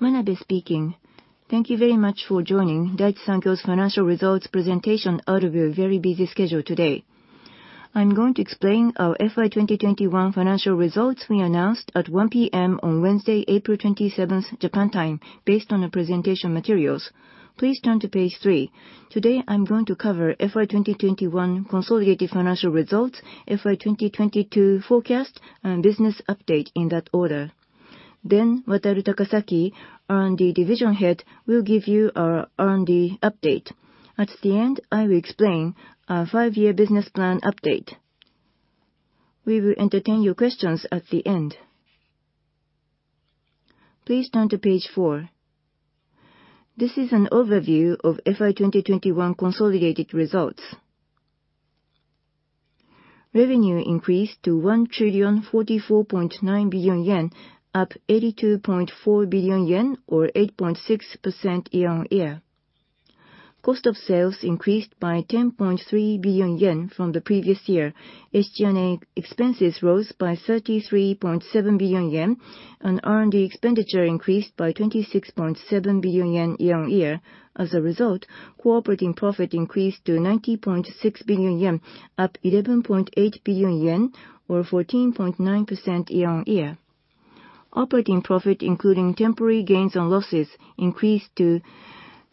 Manabe speaking. Thank you very much for joining Daiichi Sankyo's financial results presentation out of your very busy schedule today. I'm going to explain our FY 2021 financial results we announced at 1:00 P.M. on Wednesday, April 27th, Japan time, based on the presentation materials. Please turn to page 3. Today I'm going to cover FY 2021 consolidated financial results, FY 2022 forecast, and business update in that order. Then Wataru Takasaki, R&D Division Head, will give you our R&D update. At the end, I will explain our 5-year business plan update. We will entertain your questions at the end. Please turn to page 4. This is an overview of FY 2021 consolidated results. Revenue increased to 1,044.9 billion yen, up 82.4 billion yen, or 8.6% year-on-year. Cost of sales increased by 10.3 billion yen from the previous year. SG&A expenses rose by 33.7 billion yen, and R&D expenditure increased by 26.7 billion yen year-on-year. As a result, core operating profit increased to 90.6 billion yen, up 11.8 billion yen, or 14.9% year-on-year. Operating profit including temporary gains or losses increased to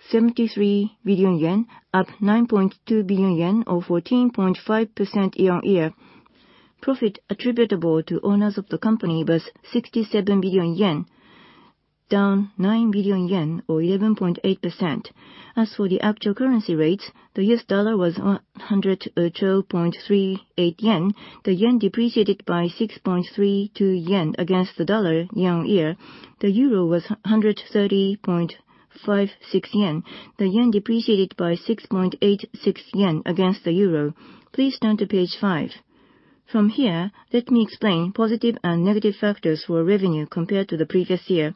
73 billion yen, up 9.2 billion yen, or 14.5% year-on-year. Profit attributable to owners of the company was 67 billion yen, down 9 billion yen, or 11.8%. As for the actual currency rates, the US dollar was 112.38 yen. The yen depreciated by 6.32 yen against the dollar year-on-year. The euro was 130.56 yen. The yen depreciated by 6.86 yen against the euro. Please turn to page 5. From here, let me explain positive and negative factors for revenue compared to the previous year.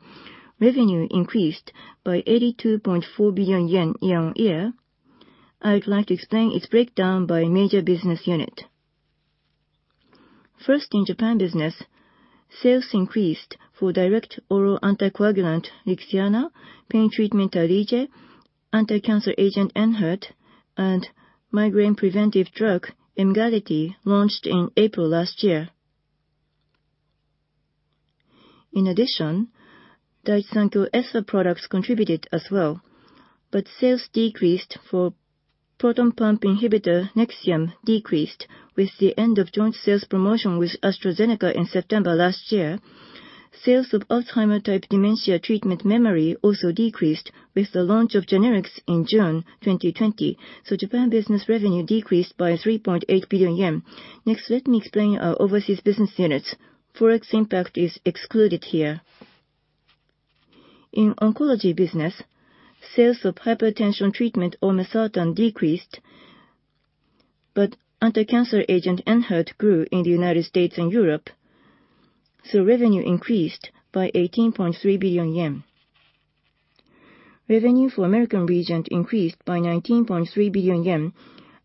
Revenue increased by 82.4 billion yen year-on-year. I would like to explain its breakdown by major business unit. First, in Japan business, sales increased for direct oral anticoagulant Lixiana, pain treatment Tarlige, anticancer agent ENHERTU, and migraine preventive drug Emgality, launched in April last year. In addition, Daiichi Sankyo Espha products contributed as well. Sales decreased for proton pump inhibitor Nexium, decreased with the end of joint sales promotion with AstraZeneca in September last year. Sales of Alzheimer-type dementia treatment Memary also decreased with the launch of generics in June 2020. Japan business revenue decreased by 3.8 billion yen. Next, let me explain our overseas business units. Forex impact is excluded here. In oncology business, sales of hypertension treatment Olmesartan decreased, but anticancer agent ENHERTU grew in the United States and Europe, so revenue increased by 18.3 billion yen. Revenue for American region increased by 19.3 billion yen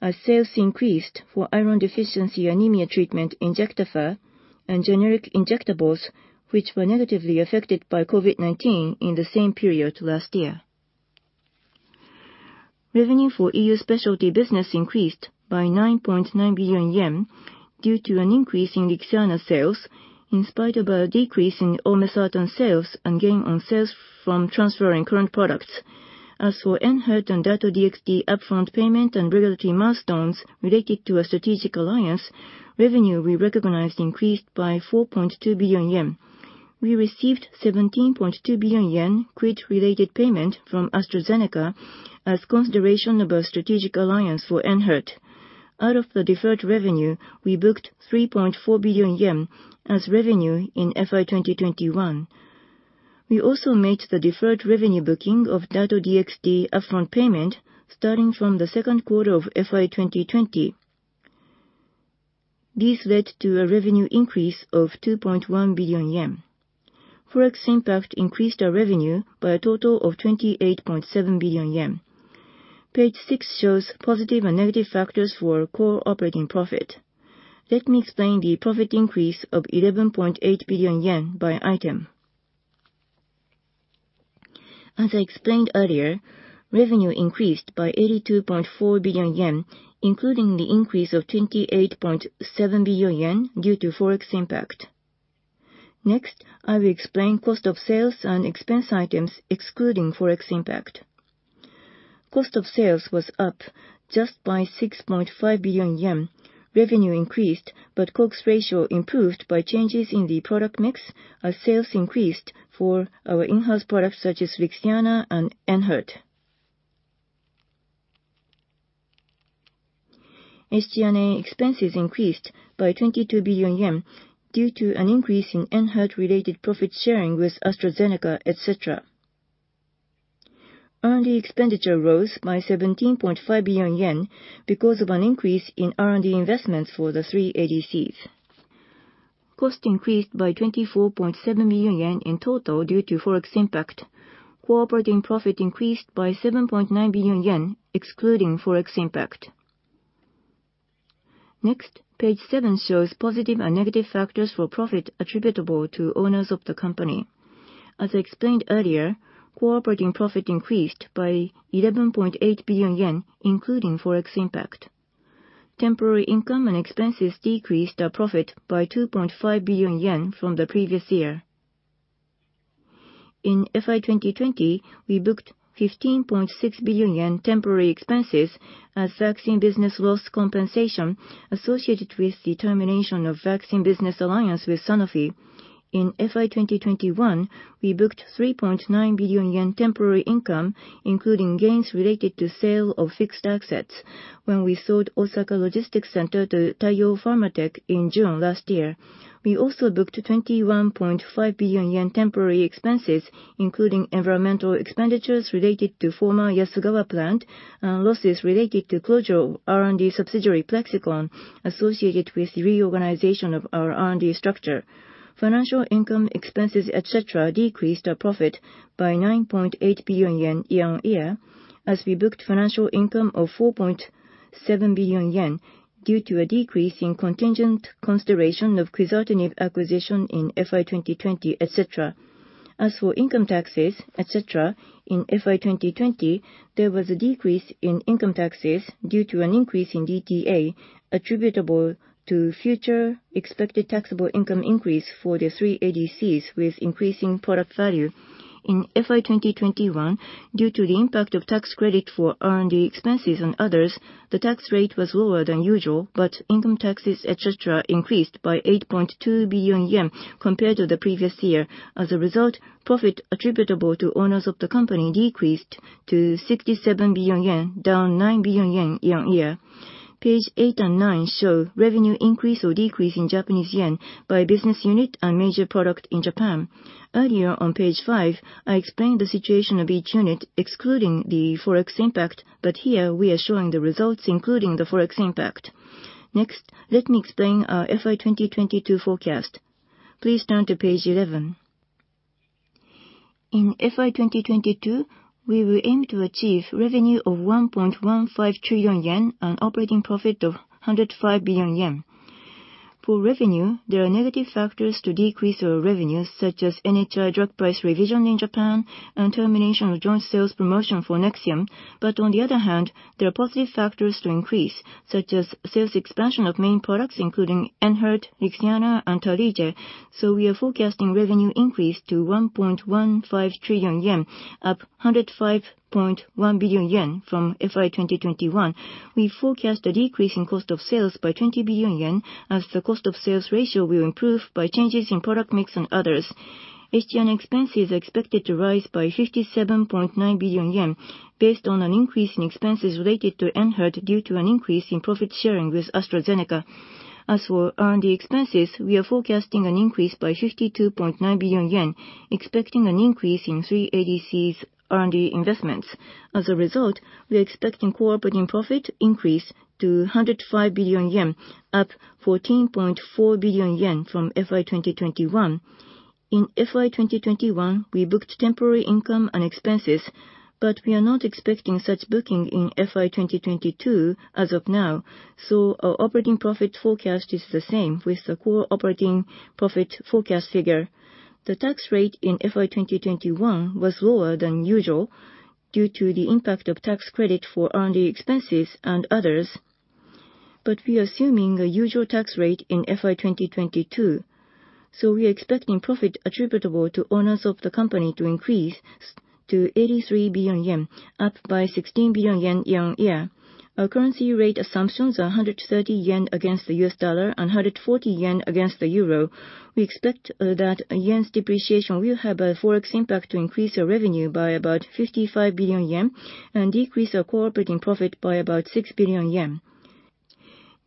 as sales increased for iron deficiency anemia treatment, Injectafer, and generic injectables, which were negatively affected by COVID-19 in the same period last year. Revenue for EU specialty business increased by 9.9 billion yen due to an increase in Lixiana sales, in spite of a decrease in Olmesartan sales and gain on sales from transferring current products. As for ENHERTU and Dato-DXd upfront payment and regulatory milestones related to a strategic alliance, revenue we recognized increased by 4.2 billion yen. We received 17.2 billion yen upfront related payment from AstraZeneca as consideration of a strategic alliance for ENHERTU. Out of the deferred revenue, we booked 3.4 billion yen as revenue in FY 2021. We also made the deferred revenue booking of Dato-DXd upfront payment starting from the second quarter of FY 2020. These led to a revenue increase of 2.1 billion yen. Forex impact increased our revenue by a total of 28.7 billion yen. Page six shows positive and negative factors for core operating profit. Let me explain the profit increase of 11.8 billion yen by item. As I explained earlier, revenue increased by 82.4 billion yen, including the increase of 28.7 billion yen due to Forex impact. Next, I will explain cost of sales and expense items excluding Forex impact. Cost of sales was up just by 6.5 billion yen. Revenue increased, but COGS ratio improved by changes in the product mix as sales increased for our in-house products such as Lixiana and ENHERTU. SG&A expenses increased by 22 billion yen due to an increase in ENHERTU related profit sharing with AstraZeneca, et cetera. R&D expenditure rose by 17.5 billion yen because of an increase in R&D investments for the three ADCs. Cost increased by 24.7 billion yen in total due to Forex impact. Core operating profit increased by 7.9 billion yen excluding Forex impact. Next, page seven shows positive and negative factors for profit attributable to owners of the company. As explained earlier, core operating profit increased by 11.8 billion yen, including Forex impact. Temporary income and expenses decreased our profit by 2.5 billion yen from the previous year. In FY 2020, we booked 15.6 billion yen temporary expenses as vaccine business loss compensation associated with the termination of vaccine business alliance with Sanofi. In FY 2021, we booked 3.9 billion yen temporary income, including gains related to sale of fixed assets when we sold Osaka Logistics Center to Taiyo Pharma Tech in June last year. We also booked 21.5 billion yen temporary expenses, including environmental expenditures related to former Yasugawa plant, and losses related to closure of R&D subsidiary, Plexxikon, associated with reorganization of our R&D structure. Financial income expenses, et cetera, decreased our profit by 9.8 billion yen year-on-year as we booked financial income of 4.7 billion yen due to a decrease in contingent consideration of quizartinib acquisition in FY 2020, et cetera. As for income taxes, et cetera, in FY 2020, there was a decrease in income taxes due to an increase in DTA attributable to future expected taxable income increase for the 3 ADCs with increasing product value. In FY 2021, due to the impact of tax credit for R&D expenses and others, the tax rate was lower than usual, but income taxes, et cetera, increased by 8.2 billion yen compared to the previous year. As a result, profit attributable to owners of the company decreased to 67 billion yen, down 9 billion yen year-on-year. Page 8 and 9 show revenue increase or decrease in Japanese yen by business unit and major product in Japan. Earlier on page 5, I explained the situation of each unit excluding the Forex impact, but here we are showing the results including the Forex impact. Next, let me explain our FY 2022 forecast. Please turn to page 11. In FY 2022, we will aim to achieve revenue of 1.15 trillion yen and operating profit of 105 billion yen. For revenue, there are negative factors to decrease our revenue, such as NHI drug price revision in Japan and termination of joint sales promotion for Nexium. On the other hand, there are positive factors to increase, such as sales expansion of main products including ENHERTU, Lixiana, and Tarlige. We are forecasting revenue increase to 1.15 trillion yen, up 105.1 billion yen from FY 2021. We forecast a decrease in cost of sales by 20 billion yen as the cost of sales ratio will improve by changes in product mix and others. SG&A expenses are expected to rise by 57.9 billion yen based on an increase in expenses related to ENHERTU due to an increase in profit sharing with AstraZeneca. As for R&D expenses, we are forecasting an increase by 52.9 billion yen, expecting an increase in three ADCs' R&D investments. As a result, we are expecting core operating profit increase to 105 billion yen, up 14.4 billion yen from FY 2021. In FY 2021, we booked temporary income and expenses, but we are not expecting such booking in FY 2022 as of now. Our operating profit forecast is the same with the core operating profit forecast figure. The tax rate in FY 2021 was lower than usual due to the impact of tax credit for R&D expenses and others. We are assuming a usual tax rate in FY 2022, so we are expecting profit attributable to owners of the company to increase to 83 billion yen, up by 16 billion yen year-on-year. Our currency rate assumptions are 130 yen against the US dollar and 140 yen against the euro. We expect that yen's depreciation will have a Forex impact to increase our revenue by about 55 billion yen and decrease our core operating profit by about 6 billion yen.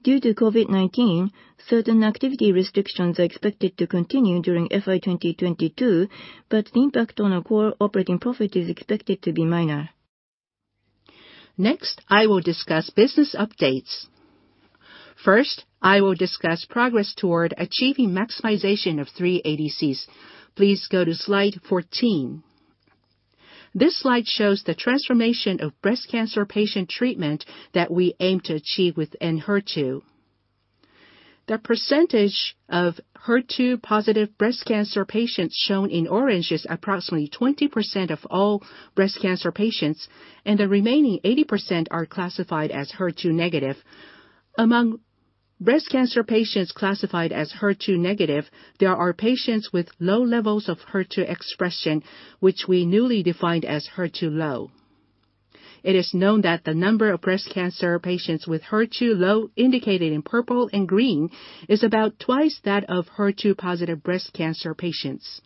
Due to COVID-19, certain activity restrictions are expected to continue during FY 2022, but the impact on our core operating profit is expected to be minor. Next, I will discuss business updates. First, I will discuss progress toward achieving maximization of three ADCs. Please go to slide 14. This slide shows the transformation of breast cancer patient treatment that we aim to achieve with ENHERTU. The percentage of HER2-positive breast cancer patients shown in orange is approximately 20% of all breast cancer patients, and the remaining 80% are classified as HER2-negative. Among breast cancer patients classified as HER2-negative, there are patients with low levels of HER2 expression, which we newly defined as HER2-low. It is known that the number of breast cancer patients with HER2-low indicated in purple and green is about twice that of HER2-positive breast cancer patients.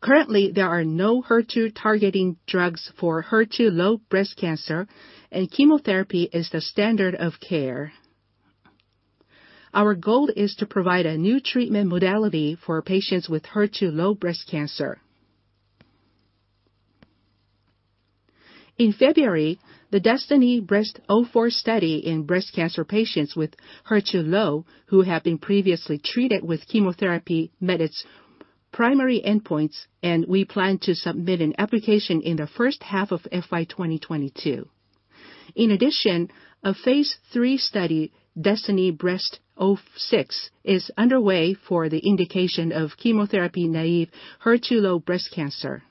Currently, there are no HER2-targeting drugs for HER2-low breast cancer and chemotherapy is the standard of care. Our goal is to provide a new treatment modality for patients with HER2-low breast cancer. In February, the DESTINY-Breast04 study in breast cancer patients with HER2-low who have been previously treated with chemotherapy met its primary endpoints, and we plan to submit an application in the first half of FY2022. In addition, a phase three study, DESTINY-Breast06, is underway for the indication of chemotherapy-naive HER2-low breast cancer.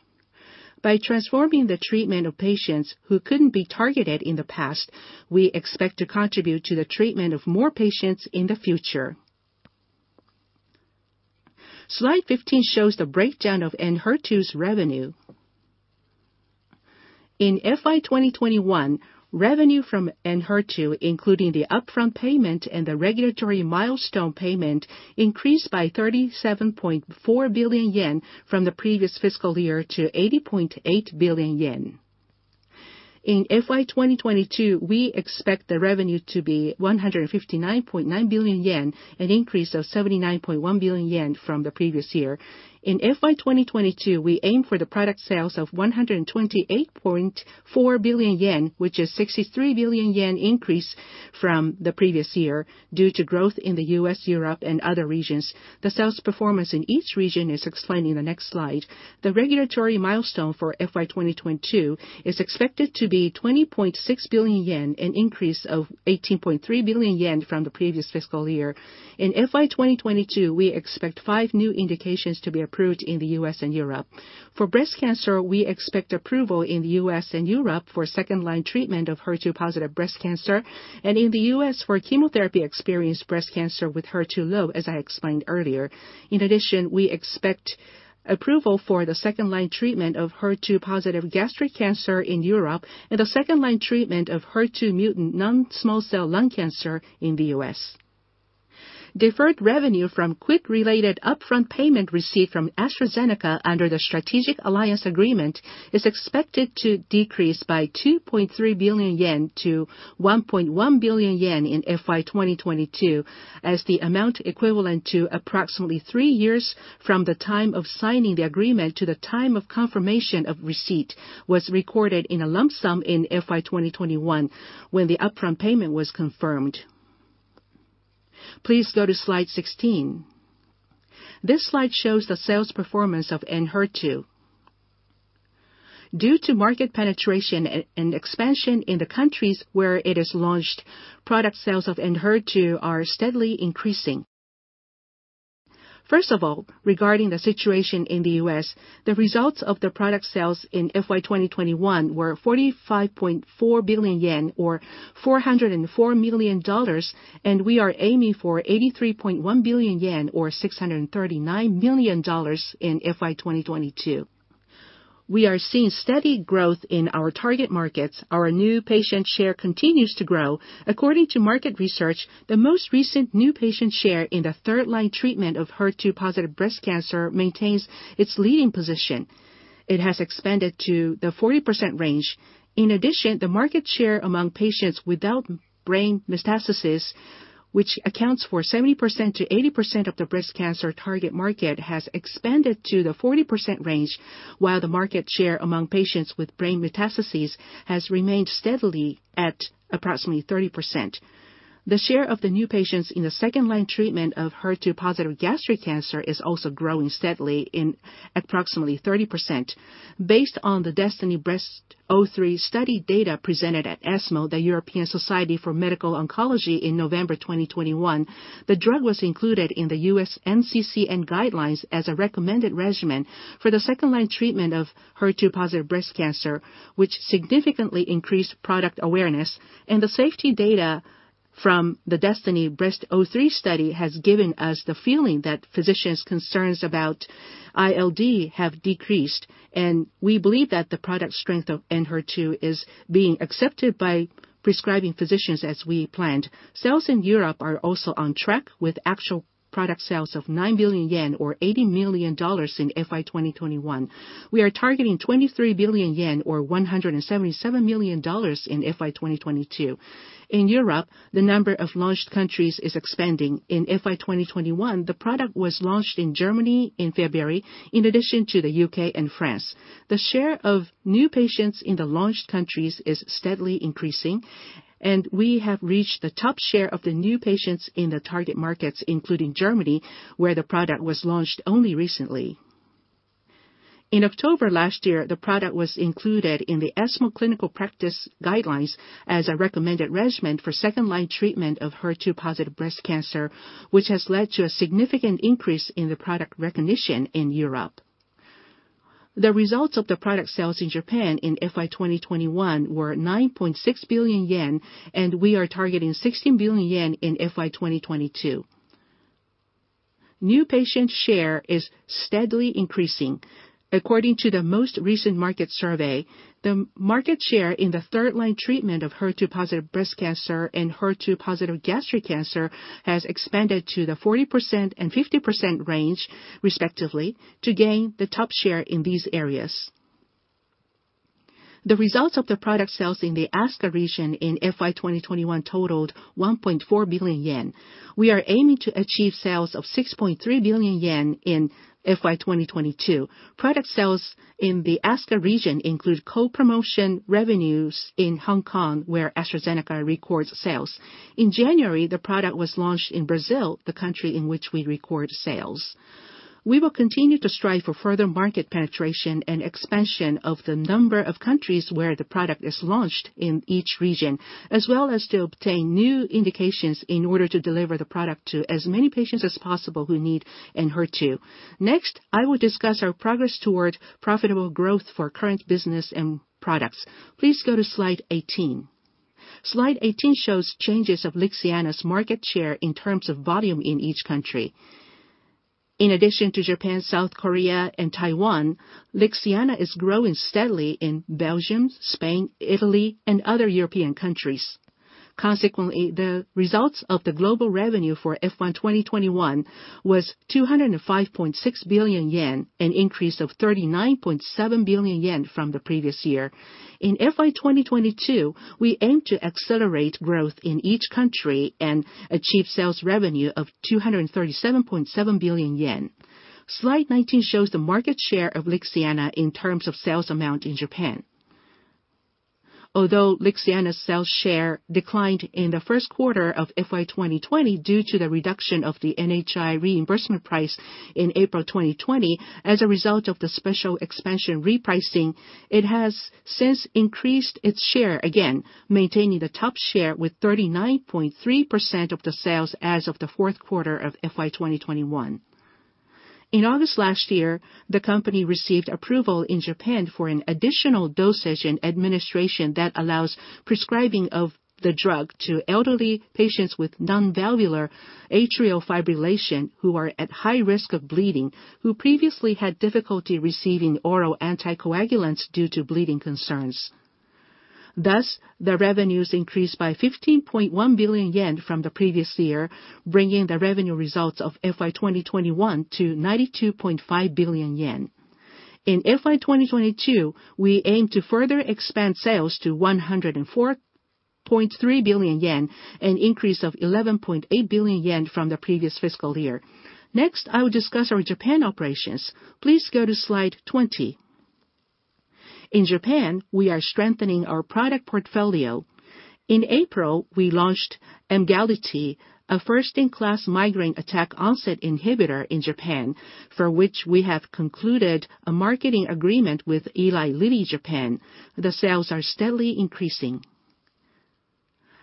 By transforming the treatment of patients who couldn't be targeted in the past, we expect to contribute to the treatment of more patients in the future. Slide 15 shows the breakdown of ENHERTU's revenue. In FY2021, revenue from ENHERTU, including the upfront payment and the regulatory milestone payment, increased by 37.4 billion yen from the previous fiscal year to 80.8 billion yen. In FY2022, we expect the revenue to be 159.9 billion yen, an increase of 79.1 billion yen from the previous year. In FY2022, we aim for the product sales of 128.4 billion yen, which is sixty-three billion yen increase from the previous year due to growth in the US, Europe, and other regions. The sales performance in each region is explained in the next slide. The regulatory milestone for FY2022 is expected to be 20.6 billion yen, an increase of 18.3 billion yen from the previous fiscal year. In FY2022, we expect 5 new indications to be approved in the US and Europe. For breast cancer, we expect approval in the US and Europe for second-line treatment of HER2-positive breast cancer and in the US for chemotherapy-experienced breast cancer with HER2-low, as I explained earlier. In addition, we expect approval for the second-line treatment of HER2-positive gastric cancer in Europe and the second-line treatment of HER2-mutant non-small cell lung cancer in the US. Deferred revenue from ENHERTU-related upfront payment received from AstraZeneca under the strategic alliance agreement is expected to decrease by 2.3 billion yen to 1.1 billion yen in FY2022, as the amount equivalent to approximately 3 years from the time of signing the agreement to the time of confirmation of receipt was recorded in a lump sum in FY2021 when the upfront payment was confirmed. Please go to slide 16. This slide shows the sales performance of ENHERTU. Due to market penetration and expansion in the countries where it is launched, product sales of ENHERTU are steadily increasing. First of all, regarding the situation in the US, the results of the product sales in FY2021 were 45.4 billion yen or $404 million, and we are aiming for 83.1 billion yen or $639 million in FY2022. We are seeing steady growth in our target markets. Our new patient share continues to grow. According to market research, the most recent new patient share in the third-line treatment of HER2-positive breast cancer maintains its leading position. It has expanded to the 40% range. In addition, the market share among patients without brain metastasis, which accounts for 70%-80% of the breast cancer target market, has expanded to the 40% range, while the market share among patients with brain metastases has remained steadily at approximately 30%. The share of the new patients in the second-line treatment of HER2-positive gastric cancer is also growing steadily in approximately 30%. Based on the DESTINY-Breast03 study data presented at ESMO, the European Society for Medical Oncology, in November 2021, the drug was included in the US NCCN guidelines as a recommended regimen for the second-line treatment of HER2-positive breast cancer, which significantly increased product awareness. The safety data from the DESTINY-Breast03 study has given us the feeling that physicians' concerns about ILD have decreased, and we believe that the product strength of ENHERTU is being accepted by prescribing physicians as we planned. Sales in Europe are also on track with actual product sales of 9 billion yen or $80 million in FY2021. We are targeting 23 billion yen or $177 million in FY2022. In Europe, the number of launched countries is expanding. In FY2021, the product was launched in Germany in February, in addition to the U.K. and France. The share of new patients in the launched countries is steadily increasing, and we have reached the top share of the new patients in the target markets, including Germany, where the product was launched only recently. In October last year, the product was included in the ESMO clinical practice guidelines as a recommended regimen for second-line treatment of HER2-positive breast cancer, which has led to a significant increase in the product recognition in Europe. The results of the product sales in Japan in FY2021 were 9.6 billion yen, and we are targeting 16 billion yen in FY2022. New patient share is steadily increasing. According to the most recent market survey, the market share in the third-line treatment of HER2-positive breast cancer and HER2-positive gastric cancer has expanded to the 40% and 50% range, respectively, to gain the top share in these areas. The results of the product sales in the ASCA region in FY2021 totaled 1.4 billion yen. We are aiming to achieve sales of 6.3 billion yen in FY2022. Product sales in the ASCA region include co-promotion revenues in Hong Kong, where AstraZeneca records sales. In January, the product was launched in Brazil, the country in which we record sales. We will continue to strive for further market penetration and expansion of the number of countries where the product is launched in each region, as well as to obtain new indications in order to deliver the product to as many patients as possible who need ENHERTU. Next, I will discuss our progress toward profitable growth for current business and products. Please go to slide 18. Slide 18 shows changes of Lixiana's market share in terms of volume in each country. In addition to Japan, South Korea, and Taiwan, Lixiana is growing steadily in Belgium, Spain, Italy, and other European countries. Consequently, the results of the global revenue for FY 2021 was 205.6 billion yen, an increase of 39.7 billion yen from the previous year. In FY 2022, we aim to accelerate growth in each country and achieve sales revenue of 237.7 billion yen. Slide 19 shows the market share of Lixiana in terms of sales amount in Japan. Although Lixiana's sales share declined in the first quarter of FY 2020 due to the reduction of the NHI reimbursement price in April 2020, as a result of the special expansion repricing, it has since increased its share again, maintaining the top share with 39.3% of the sales as of the fourth quarter of FY 2021. In August last year, the company received approval in Japan for an additional dosage and administration that allows prescribing of the drug to elderly patients with non-valvular atrial fibrillation who are at high risk of bleeding, who previously had difficulty receiving oral anticoagulants due to bleeding concerns. Thus, the revenues increased by 15.1 billion yen from the previous year, bringing the revenue results of FY 2021 to 92.5 billion yen. In FY 2022, we aim to further expand sales to 104.3 billion yen, an increase of 11.8 billion yen from the previous fiscal year. Next, I will discuss our Japan operations. Please go to slide 20. In Japan, we are strengthening our product portfolio. In April, we launched Emgality, a first-in-class migraine attack onset inhibitor in Japan, for which we have concluded a marketing agreement with Eli Lilly Japan. The sales are steadily increasing.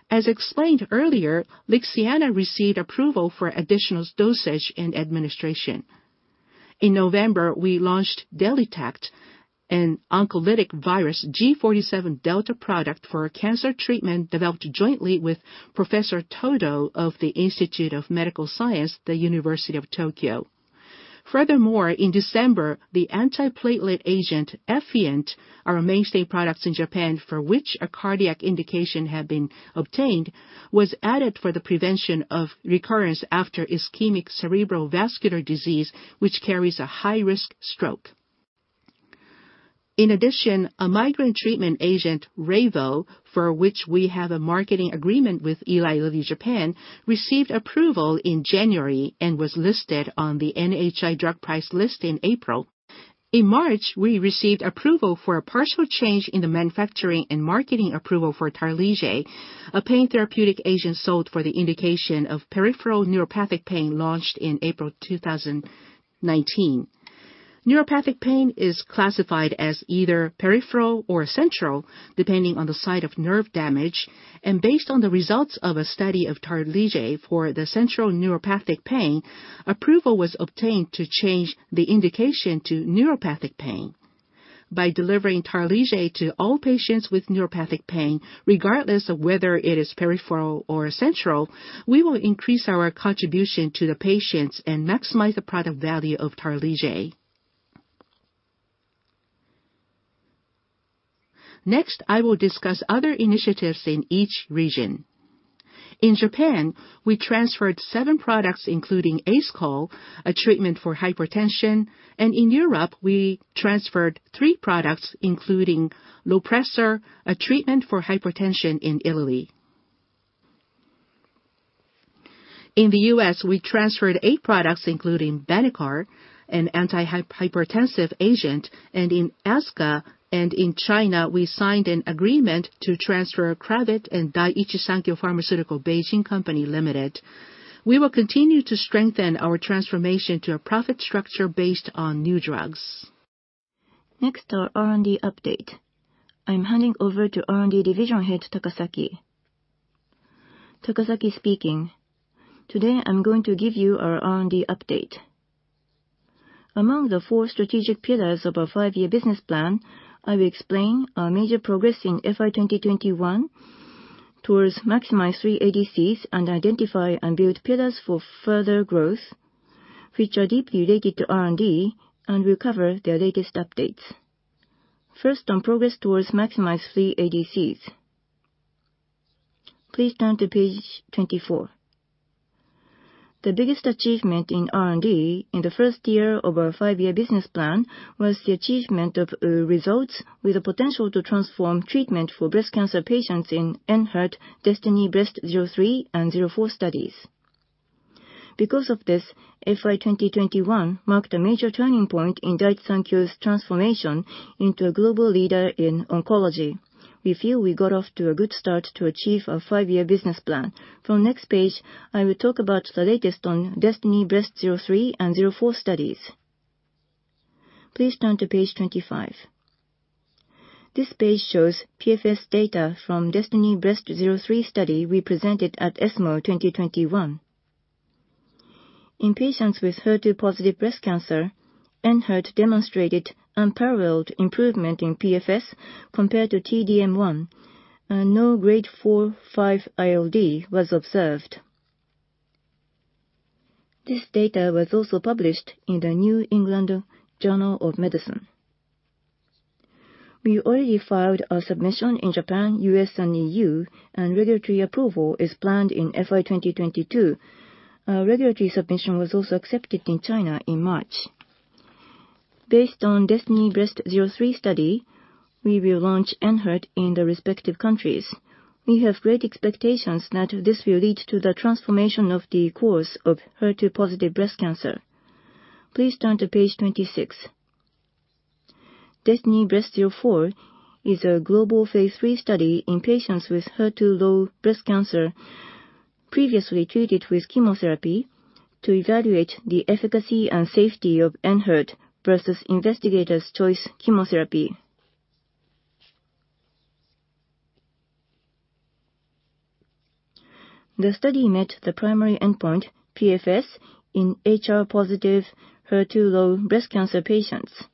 As explained earlier, Lixiana received approval for additional dosage and administration. In November, we launched DELYTACT, an oncolytic virus G47Δ product for cancer treatment developed jointly with Professor Todo of the Institute of Medical Science, the University of Tokyo. Furthermore, in December, the antiplatelet agent Efient, our mainstay products in Japan for which a cardiac indication had been obtained, was added for the prevention of recurrence after ischemic cerebral vascular disease, which carries a high-risk stroke. In addition, a migraine treatment agent, Reyvow, for which we have a marketing agreement with Eli Lilly Japan, received approval in January and was listed on the NHI drug price list in April. In March, we received approval for a partial change in the manufacturing and marketing approval for Tarlige, a pain therapeutic agent sold for the indication of peripheral neuropathic pain launched in April 2019. Neuropathic pain is classified as either peripheral or central, depending on the site of nerve damage. Based on the results of a study of Tarlige for the central neuropathic pain, approval was obtained to change the indication to neuropathic pain. By delivering Tarlige to all patients with neuropathic pain, regardless of whether it is peripheral or central, we will increase our contribution to the patients and maximize the product value of Tarlige. Next, I will discuss other initiatives in each region. In Japan, we transferred 7 products including Acelcol, a treatment for hypertension. In Europe, we transferred 3 products including Lopressor, a treatment for hypertension in Italy. In the US, we transferred eight products including Benicar, an anti-hypertensive agent. In ASCA and in China, we signed an agreement to transfer Cravit and Daiichi Sankyo Pharmaceutical (Beijing) Co., Ltd. We will continue to strengthen our transformation to a profit structure based on new drugs. Next, our R&D update. I'm handing over to R&D Division Head Takasaki. Takasaki speaking. Today, I'm going to give you our R&D update. Among the four strategic pillars of our five-year business plan, I will explain our major progress in FY 2021 towards maximizing the three ADCs and identify and build pillars for further growth, which are deeply related to R&D and will cover their latest updates. First, on progress towards maximizing the three ADCs. Please turn to page 24. The biggest achievement in R&D in the first year of our five-year business plan was the achievement of results with the potential to transform treatment for breast cancer patients in ENHERTU DESTINY-Breast03 and DESTINY-Breast04 studies. Because of this, FY 2021 marked a major turning point in Daiichi Sankyo's transformation into a global leader in oncology. We feel we got off to a good start to achieve our five-year business plan. From next page, I will talk about the latest on DESTINY-Breast03 and DESTINY-Breast04 studies. Please turn to page 25. This page shows PFS data from DESTINY-Breast03 study we presented at ESMO 2021. In patients with HER2-positive breast cancer, ENHERTU demonstrated unparalleled improvement in PFS compared to T-DM1 and no grade 4, 5 ILD was observed. This data was also published in the New England Journal of Medicine. We already filed our submission in Japan, U.S., and E.U., and regulatory approval is planned in FY 2022. Our regulatory submission was also accepted in China in March. Based on DESTINY-Breast03 study, we will launch ENHERTU in the respective countries. We have great expectations that this will lead to the transformation of the course of HER2-positive breast cancer. Please turn to page 26. DESTINY-Breast zero four is a global phase 3 study in patients with HER2-low breast cancer previously treated with chemotherapy to evaluate the efficacy and safety of ENHERTU versus investigator's choice chemotherapy. The study met the primary endpoint PFS in HR positive HER2-low breast cancer patients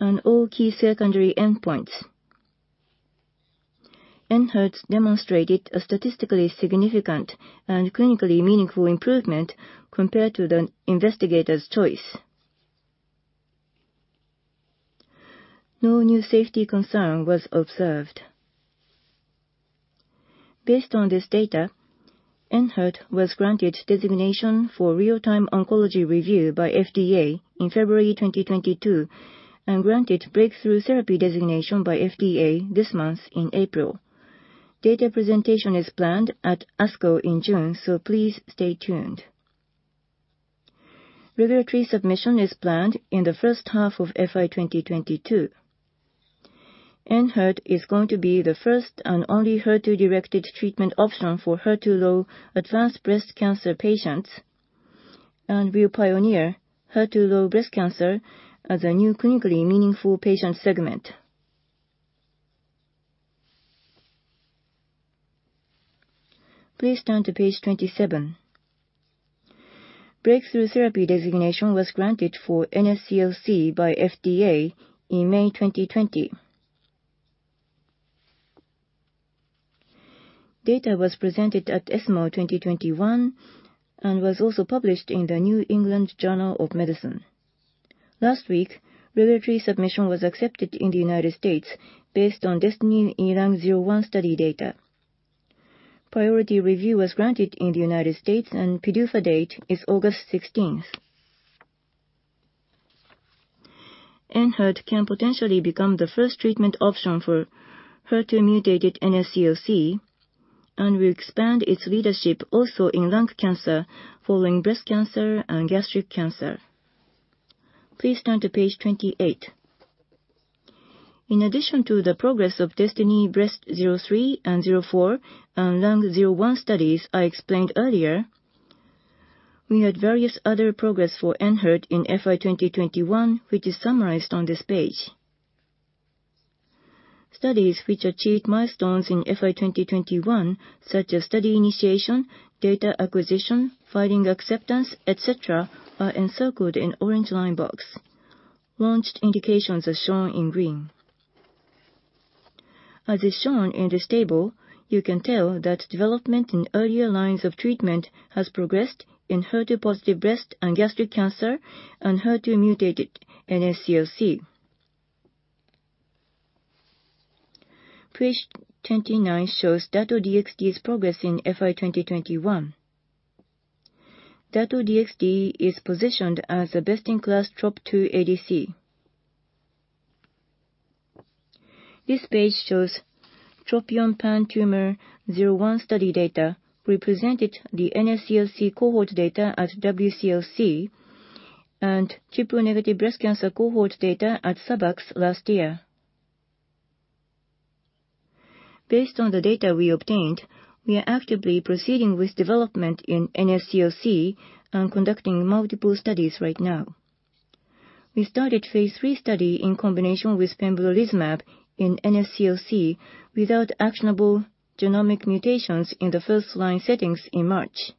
and all key secondary endpoints. ENHERTU demonstrated a statistically significant and clinically meaningful improvement compared to the investigator's choice. No new safety concern was observed. Based on this data, ENHERTU was granted designation for real-time oncology review by FDA in February 2022, and granted breakthrough therapy designation by FDA this month in April. Data presentation is planned at ASCO in June, so please stay tuned. Regulatory submission is planned in the first half of FY 2022. ENHERTU is going to be the first and only HER2-directed treatment option for HER2-low advanced breast cancer patients and will pioneer HER2-low breast cancer as a new clinically meaningful patient segment. Please turn to page 27. Breakthrough therapy designation was granted for NSCLC by FDA in May 2020. Data was presented at ESMO 2021 and was also published in the New England Journal of Medicine. Last week, regulatory submission was accepted in the United States based on DESTINY-Lung01 study data. Priority review was granted in the United States and PDUFA date is August 16. ENHERTU can potentially become the first treatment option for HER2-mutated NSCLC and will expand its leadership also in lung cancer following breast cancer and gastric cancer. Please turn to page 28. In addition to the progress of DESTINY-Breast03 and 04 and Lung01 studies I explained earlier, we had various other progress for ENHERTU in FY 2021, which is summarized on this page. Studies which achieved milestones in FY 2021, such as study initiation, data acquisition, filing acceptance, et cetera, are encircled in orange line box. Launched indications are shown in green. As is shown in this table, you can tell that development in earlier lines of treatment has progressed in HER2 positive breast and gastric cancer and HER2-mutated NSCLC. Page 29 shows Dato-DXd's progress in FY 2021. Dato-DXd is positioned as the best-in-class TROP2 ADC. This page shows TROPION-PanTumor01 study data. We presented the NSCLC cohort data at WCLC and triple-negative breast cancer cohort data at SABCS last year. Based on the data we obtained, we are actively proceeding with development in NSCLC and conducting multiple studies right now. We started phase 3 study in combination with pembrolizumab in NSCLC without actionable genomic mutations in the first-line settings in March.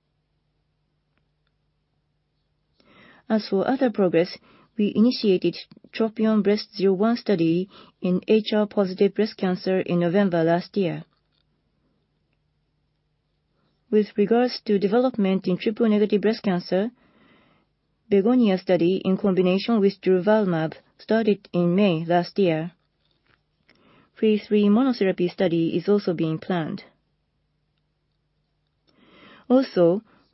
As for other progress, we initiated TROPION-Breast01 study in HR positive breast cancer in November last year. With regards to development in triple-negative breast cancer, BEGONIA study in combination with durvalumab started in May last year. Phase 3 monotherapy study is also being planned.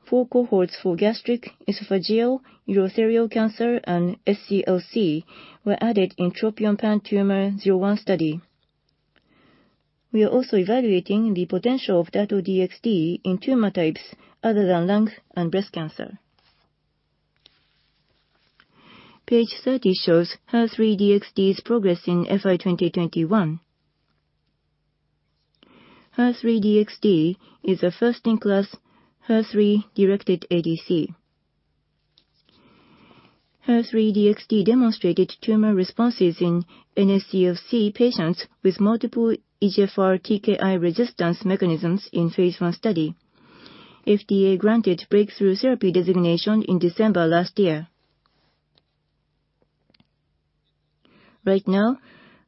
Four cohorts for gastric, esophageal, urothelial cancer, and SCLC were added in TROPION-PanTumor01 study. We are also evaluating the potential of Dato-DXd in tumor types other than lung and breast cancer. Page 30 shows HER3-DXd's progress in FY 2021. HER3-DXd is a first-in-class HER3-directed ADC. HER3-DXd demonstrated tumor responses in NSCLC patients with multiple EGFR TKI resistance mechanisms in phase 1 study. FDA granted breakthrough therapy designation in December last year.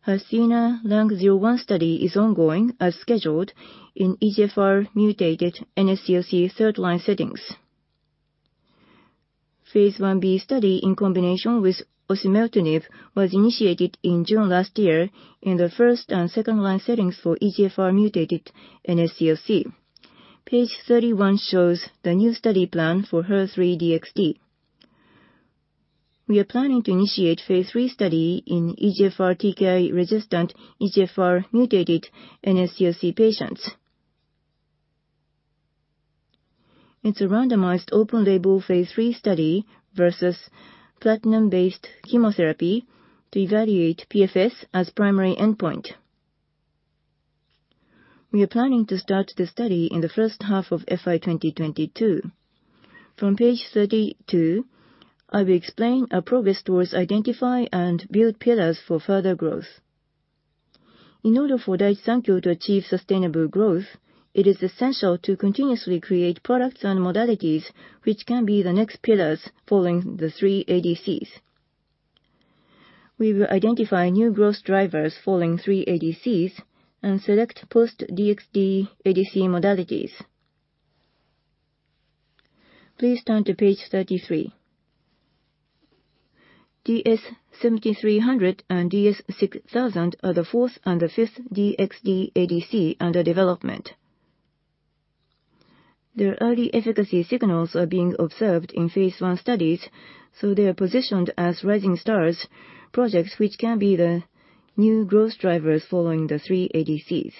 Right now, HERTHENA-Lung01 study is ongoing as scheduled in EGFR mutated NSCLC third line settings. Phase 1b study in combination with osimertinib was initiated in June last year in the first and second line settings for EGFR mutated NSCLC. Page 31 shows the new study plan for HER3-DXd. We are planning to initiate phase 3 study in EGFR TKI-resistant, EGFR mutated NSCLC patients. It's a randomized open label phase 3 study versus platinum-based chemotherapy to evaluate PFS as primary endpoint. We are planning to start the study in the first half of FY 2022. From page 32, I will explain our progress towards identifying and building pillars for further growth. In order for Daiichi Sankyo to achieve sustainable growth, it is essential to continuously create products and modalities which can be the next pillars following the three ADCs. We will identify new growth drivers following three ADCs and select post-DXd ADC modalities. Please turn to page 33. DS-7300 and DS-6000 are the fourth and the fifth DXd ADC under development. Their early efficacy signals are being observed in phase 1 studies, so they are positioned as rising stars projects, which can be the new growth drivers following the three ADCs.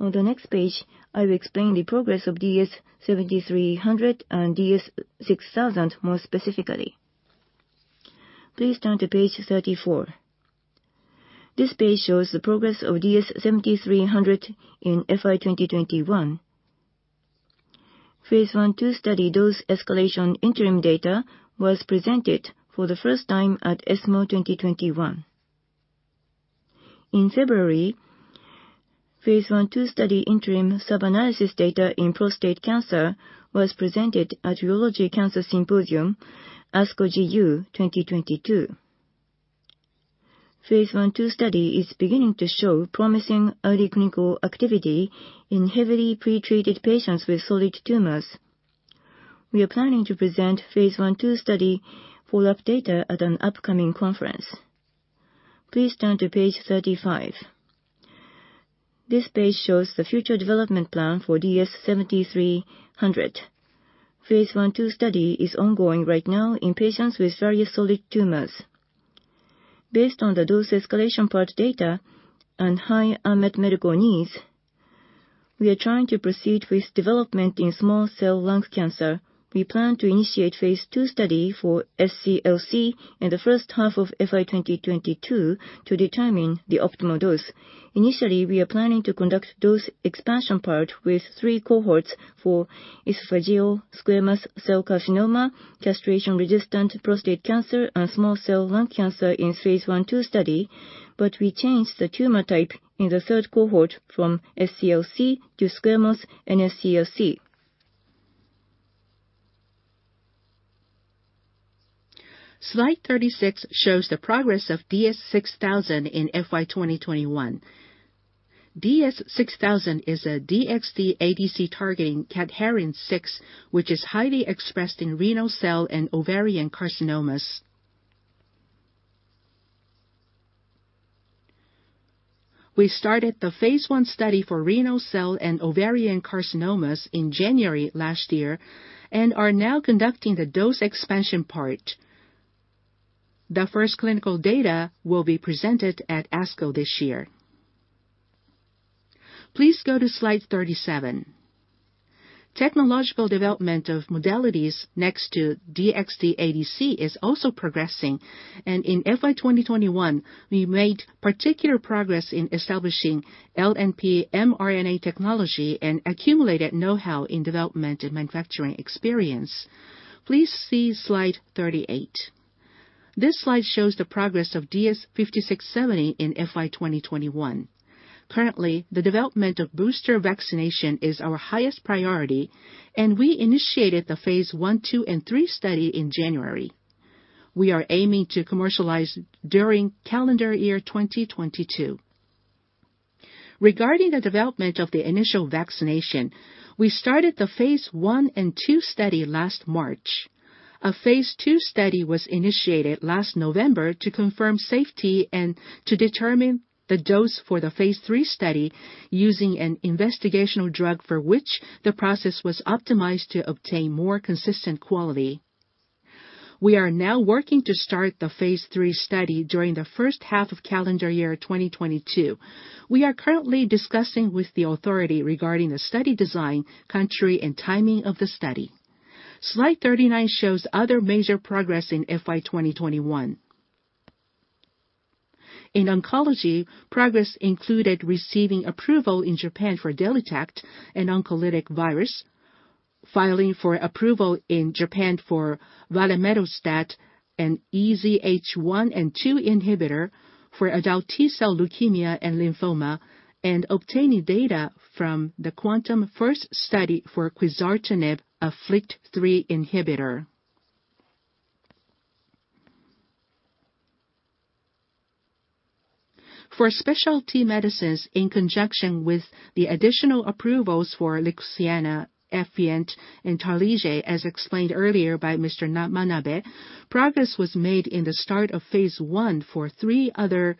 On the next page, I will explain the progress of DS-7300 and DS-6000 more specifically. Please turn to page 34. This page shows the progress of DS-7300 in FY 2021. Phase 1/2 study dose escalation interim data was presented for the first time at ESMO 2021. In February, phase 1/2 study interim sub-analysis data in prostate cancer was presented at Genitourinary Cancers Symposium, ASCO GU 2022. Phase 1/2 study is beginning to show promising early clinical activity in heavily pretreated patients with solid tumors. We are planning to present phase 1/2 study follow-up data at an upcoming conference. Please turn to page 35. This page shows the future development plan for DS-7300. Phase 1/2 study is ongoing right now in patients with various solid tumors. Based on the dose escalation part data and high unmet medical needs, we are trying to proceed with development in small cell lung cancer. We plan to initiate phase 2 study for SCLC in the first half of FY 2022 to determine the optimal dose. Initially, we are planning to conduct dose expansion part with three cohorts for esophageal squamous cell carcinoma, castration-resistant prostate cancer, and small cell lung cancer in phase 1/2 study. We changed the tumor type in the third cohort from SCLC to squamous NSCLC. Slide 36 shows the progress of DS-6000 in FY 2021. DS-6000 is a DXd ADC targeting cadherin-6, which is highly expressed in renal cell and ovarian carcinomas. We started the phase 1 study for renal cell and ovarian carcinomas in January last year and are now conducting the dose expansion part. The first clinical data will be presented at ASCO this year. Please go to slide 37. Technological development of modalities next to DXd ADC is also progressing. In FY 2021, we made particular progress in establishing LNP mRNA technology and accumulated know-how in development and manufacturing experience. Please see slide 38. This slide shows the progress of DS-5670 in FY 2021. Currently, the development of booster vaccination is our highest priority, and we initiated the phase 1, 2, and 3 study in January. We are aiming to commercialize during calendar year 2022. Regarding the development of the initial vaccination, we started the phase 1 and 2 study last March. A phase 2 study was initiated last November to confirm safety and to determine the dose for the phase 3 study using an investigational drug for which the process was optimized to obtain more consistent quality. We are now working to start the phase 3 study during the first half of calendar year 2022. We are currently discussing with the authority regarding the study design, country, and timing of the study. Slide 39 shows other major progress in FY 2021. In oncology, progress included receiving approval in Japan for DELYTACT, an oncolytic virus, filing for approval in Japan for valemetostat, an EZH1 and 2 inhibitor for adult T-cell leukemia and lymphoma, and obtaining data from the QuANTUM-First study for quizartinib, a FLT3 inhibitor. For specialty medicines in conjunction with the additional approvals for Lixiana, Efient, and Tarlige, as explained earlier by Mr. Manabe, progress was made in the start of phase 1 for 3 other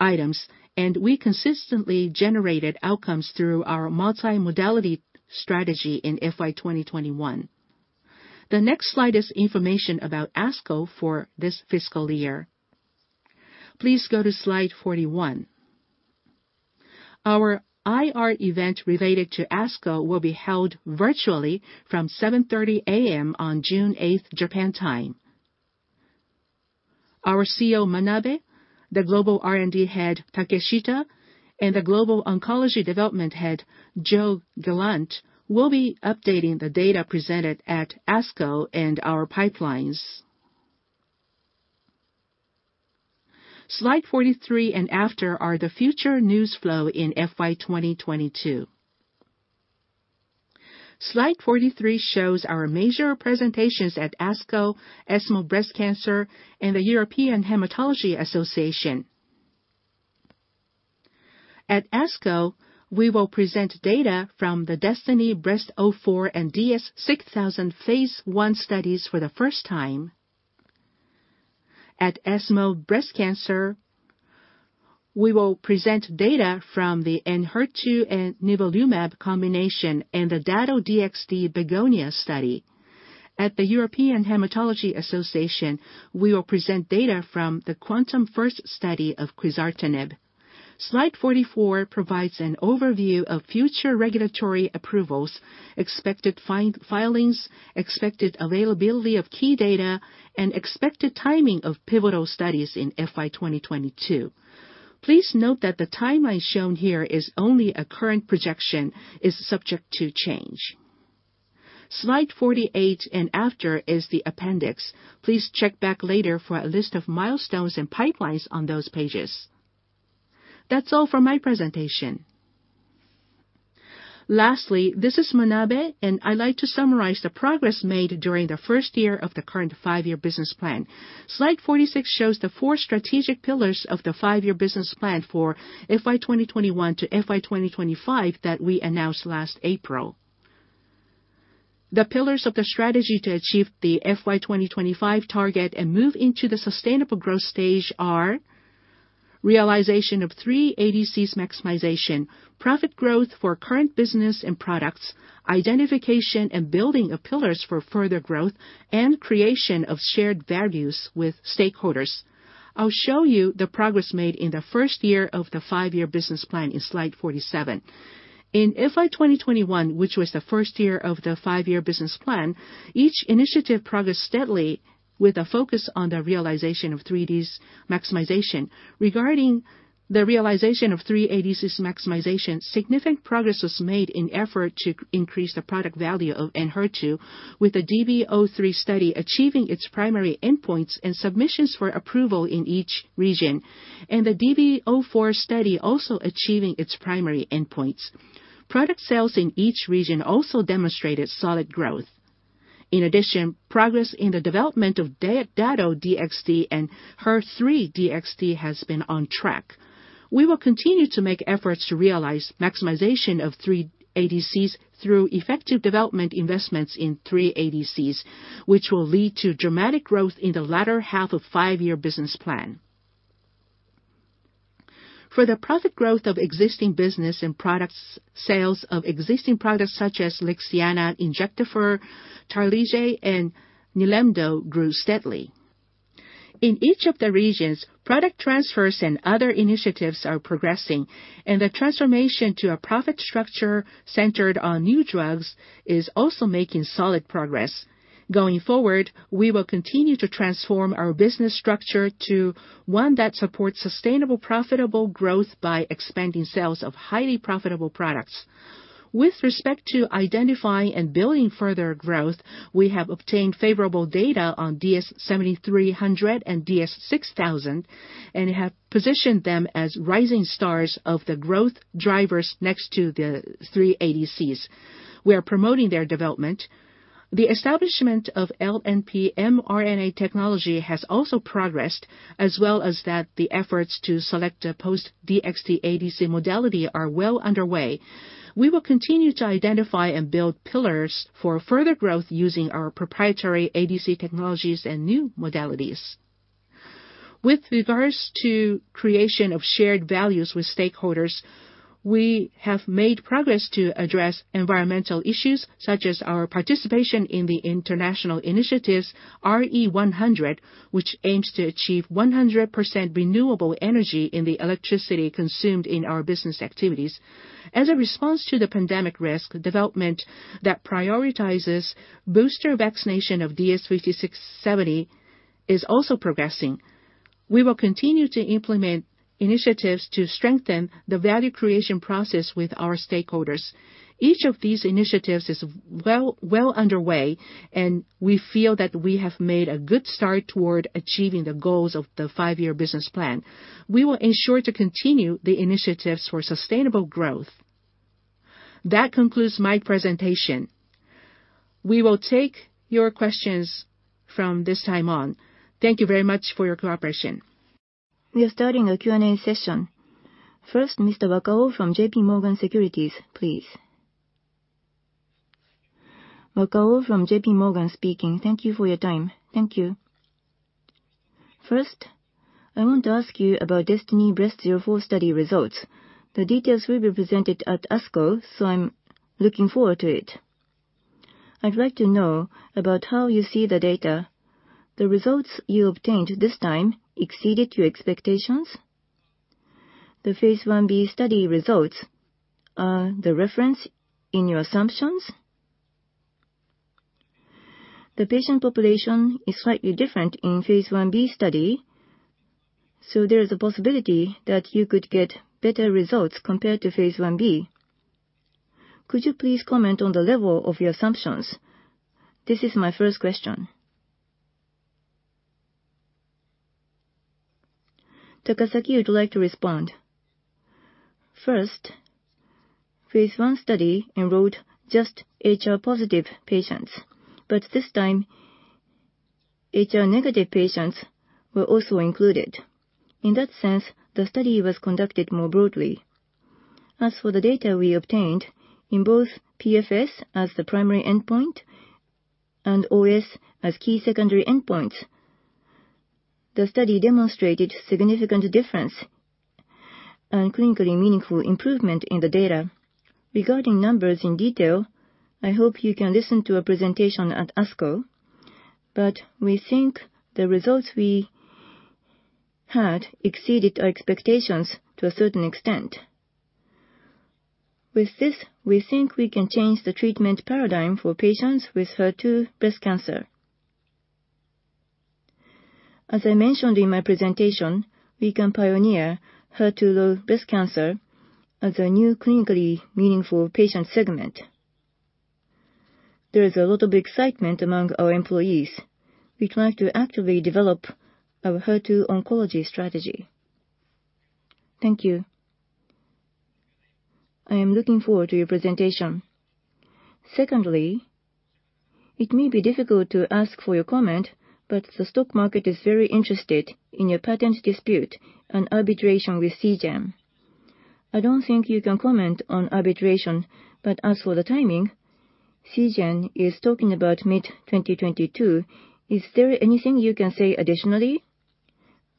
items, and we consistently generated outcomes through our multi-modality strategy in FY2021. The next slide is information about ASCO for this fiscal year. Please go to slide 41. Our IR event related to ASCO will be held virtually from 7:30 A.M. on June 8, Japan time. Our CEO, Manabe, the Global R&D head, Takeshita, and the Global Oncology Development head, Gilles Gallant, will be updating the data presented at ASCO and our pipelines. Slide 43 and after are the future news flow in FY2022. Slide 43 shows our major presentations at ASCO, ESMO Breast Cancer, and the European Hematology Association. At ASCO, we will present data from the DESTINY-Breast04 and DS-6000 phase 1 studies for the first time. At ESMO Breast Cancer, we will present data from the ENHERTU and nivolumab combination and the Dato-DXd BEGONIA study. At the European Hematology Association, we will present data from the QuANTUM-First study of quizartinib. Slide 44 provides an overview of future regulatory approvals, expected filings, expected availability of key data, and expected timing of pivotal studies in FY2022. Please note that the timeline shown here is only a current projection, is subject to change. Slide 48 and after is the appendix. Please check back later for a list of milestones and pipelines on those pages. That's all for my presentation. Lastly, this is Manabe, and I'd like to summarize the progress made during the first year of the current five-year business plan. Slide 46 shows the four strategic pillars of the five-year business plan for FY2021 to FY2025 that we announced last April. The pillars of the strategy to achieve the FY2025 target and move into the sustainable growth stage are realization of three ADCs maximization, profit growth for current business and products, identification and building of pillars for further growth, and creation of shared values with stakeholders. I'll show you the progress made in the first year of the five-year business plan in slide 47. In FY2021, which was the first year of the five-year business plan, each initiative progressed steadily with a focus on the realization of 3 ADCs maximization. Regarding the realization of three ADCs maximization, significant progress was made in effort to increase the product value of ENHERTU with the DESTINY-Breast03 study achieving its primary endpoints and submissions for approval in each region, and the DESTINY-Breast04 study also achieving its primary endpoints. Product sales in each region also demonstrated solid growth. In addition, progress in the development of Dato-DXd and HER3-DXd has been on track. We will continue to make efforts to realize maximization of three ADCs through effective development investments in three ADCs, which will lead to dramatic growth in the latter half of five-year business plan. For the profit growth of existing business and products, sales of existing products such as Lixiana, Injectafer, Tarlige, and Nilemdo grew steadily. In each of the regions, product transfers and other initiatives are progressing, and the transformation to a profit structure centered on new drugs is also making solid progress. Going forward, we will continue to transform our business structure to one that supports sustainable, profitable growth by expanding sales of highly profitable products. With respect to identifying and building further growth, we have obtained favorable data on DS-7300 and DS-6000 and have positioned them as rising stars of the growth drivers next to the three ADCs. We are promoting their development. The establishment of LNP-mRNA technology has also progressed, as well as that the efforts to select a post-DXd ADC modality are well underway. We will continue to identify and build pillars for further growth using our proprietary ADC technologies and new modalities. With regards to creation of shared values with stakeholders, we have made progress to address environmental issues such as our participation in the international initiatives RE100, which aims to achieve 100% renewable energy in the electricity consumed in our business activities. As a response to the pandemic risk development that prioritizes booster vaccination of DS5670. is also progressing. We will continue to implement initiatives to strengthen the value creation process with our stakeholders. Each of these initiatives is well underway, and we feel that we have made a good start toward achieving the goals of the five-year business plan. We will ensure to continue the initiatives for sustainable growth. That concludes my presentation. We will take your questions from this time on. Thank you very much for your cooperation. We are starting a Q&A session. First, Mr. Wakao from JPMorgan Securities, please. Wakao from JPMorgan speaking. Thank you for your time. Thank you. First, I want to ask you about DESTINY-Breast04 study results. The details will be presented at ASCO, so I'm looking forward to it. I'd like to know about how you see the data. The results you obtained this time exceeded your expectations? The phase 1b study results are the reference in your assumptions? The patient population is slightly different in phase 1b study, so there is a possibility that you could get better results compared to phase 1b. Could you please comment on the level of your assumptions? This is my first question. Takasaki would like to respond. First, phase 1 study enrolled just HR positive patients, but this time, HR negative patients were also included. In that sense, the study was conducted more broadly. As for the data we obtained, in both PFS as the primary endpoint and OS as key secondary endpoints, the study demonstrated significant difference and clinically meaningful improvement in the data. Regarding numbers in detail, I hope you can listen to a presentation at ASCO, but we think the results we had exceeded our expectations to a certain extent. With this, we think we can change the treatment paradigm for patients with HER2 breast cancer. As I mentioned in my presentation, we can pioneer HER2-low breast cancer as a new clinically meaningful patient segment. There is a lot of excitement among our employees. We plan to actively develop our HER2 oncology strategy. Thank you. I am looking forward to your presentation. Secondly, it may be difficult to ask for your comment, but the stock market is very interested in your patent dispute and arbitration with Seagen. I don't think you can comment on arbitration, but as for the timing, Seagen is talking about mid-2022. Is there anything you can say additionally?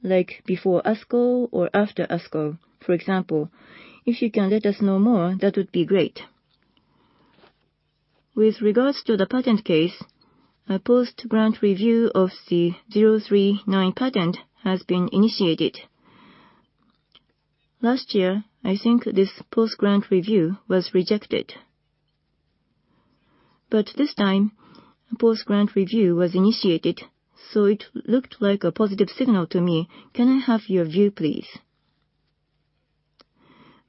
Like before ASCO or after ASCO, for example. If you can let us know more, that would be great. With regards to the patent case, a post-grant review of the 039 patent has been initiated. Last year, I think this post-grant review was rejected. This time, a post-grant review was initiated, so it looked like a positive signal to me. Can I have your view, please?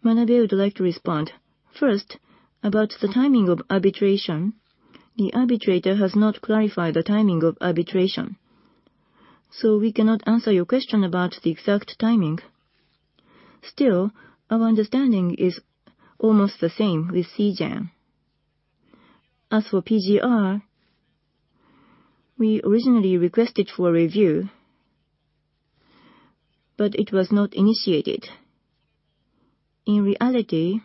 Manabe would like to respond. First, about the timing of arbitration. The arbitrator has not clarified the timing of arbitration, so we cannot answer your question about the exact timing. Still, our understanding is almost the same with Seagen. As for PGR, we originally requested for a review, but it was not initiated. In reality,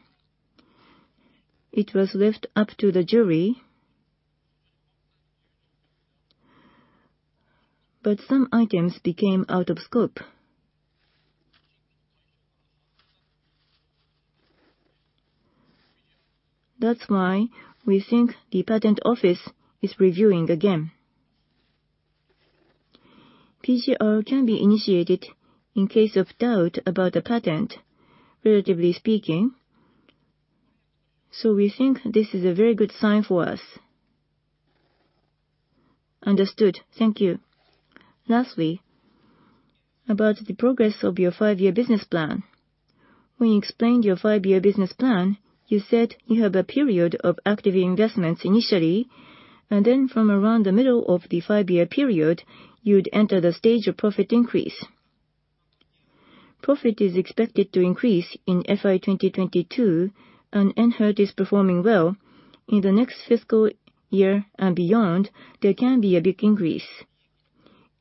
it was left up to the jury, but some items became out of scope. That's why we think the patent office is reviewing again. PGR can be initiated in case of doubt about a patent, relatively speaking. We think this is a very good sign for us. Understood. Thank you. Lastly, about the progress of your five-year business plan. When you explained your five-year business plan, you said you have a period of active investments initially, and then from around the middle of the five-year period, you'd enter the stage of profit increase. Profit is expected to increase in FY 2022, and ENHERTU is performing well. In the next fiscal year and beyond, there can be a big increase.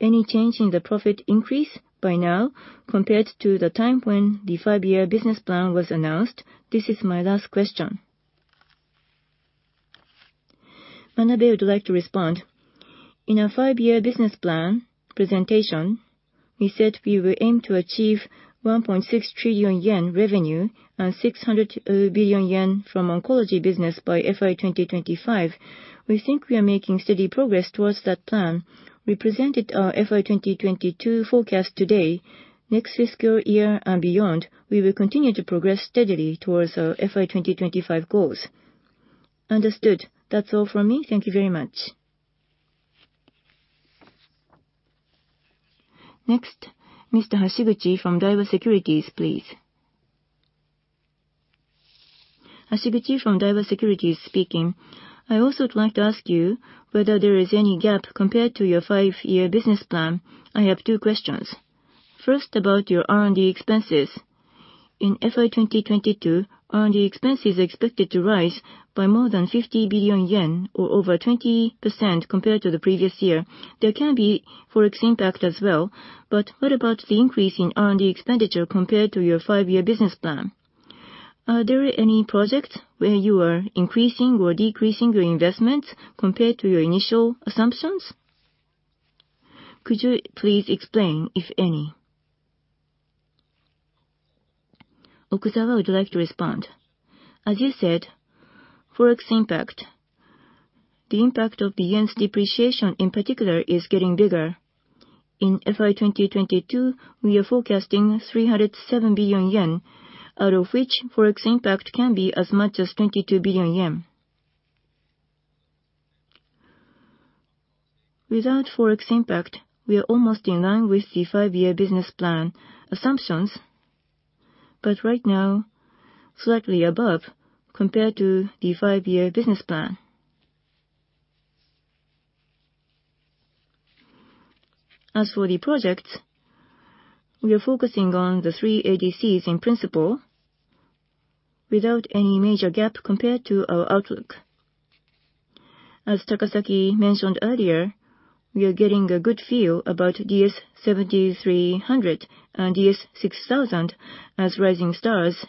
Any change in the profit increase by now compared to the time when the five-year business plan was announced? This is my last question. Manabe would like to respond. In our five-year business plan presentation, we said we will aim to achieve 1.6 trillion yen revenue and 600 billion yen from oncology business by FY 2025. We think we are making steady progress towards that plan. We presented our FY 2022 forecast today. Next fiscal year and beyond, we will continue to progress steadily towards our FY 2025 goals. Understood. That's all from me. Thank you very much. Next, Mr. Hashiguchi from Daiwa Securities, please. Hashiguchi from Daiwa Securities speaking. I also would like to ask you whether there is any gap compared to your five-year business plan. I have two questions. First, about your R&D expenses. In FY 2022, R&D expenses are expected to rise by more than 50 billion yen or over 20% compared to the previous year. There can be Forex impact as well, but what about the increase in R&D expenditure compared to your five-year business plan? Are there any projects where you are increasing or decreasing your investments compared to your initial assumptions? Could you please explain, if any? Okuzawa would like to respond. As you said, Forex impact, the impact of the yen's depreciation in particular is getting bigger. In FY 2022, we are forecasting 307 billion yen, out of which Forex impact can be as much as 22 billion yen. Without Forex impact, we are almost in line with the five-year business plan assumptions, but right now, slightly above compared to the five-year business plan. As for the projects, we are focusing on the three ADCs in principle without any major gap compared to our outlook. As Takasaki mentioned earlier, we are getting a good feel about DS-7300 and DS-6000 as rising stars,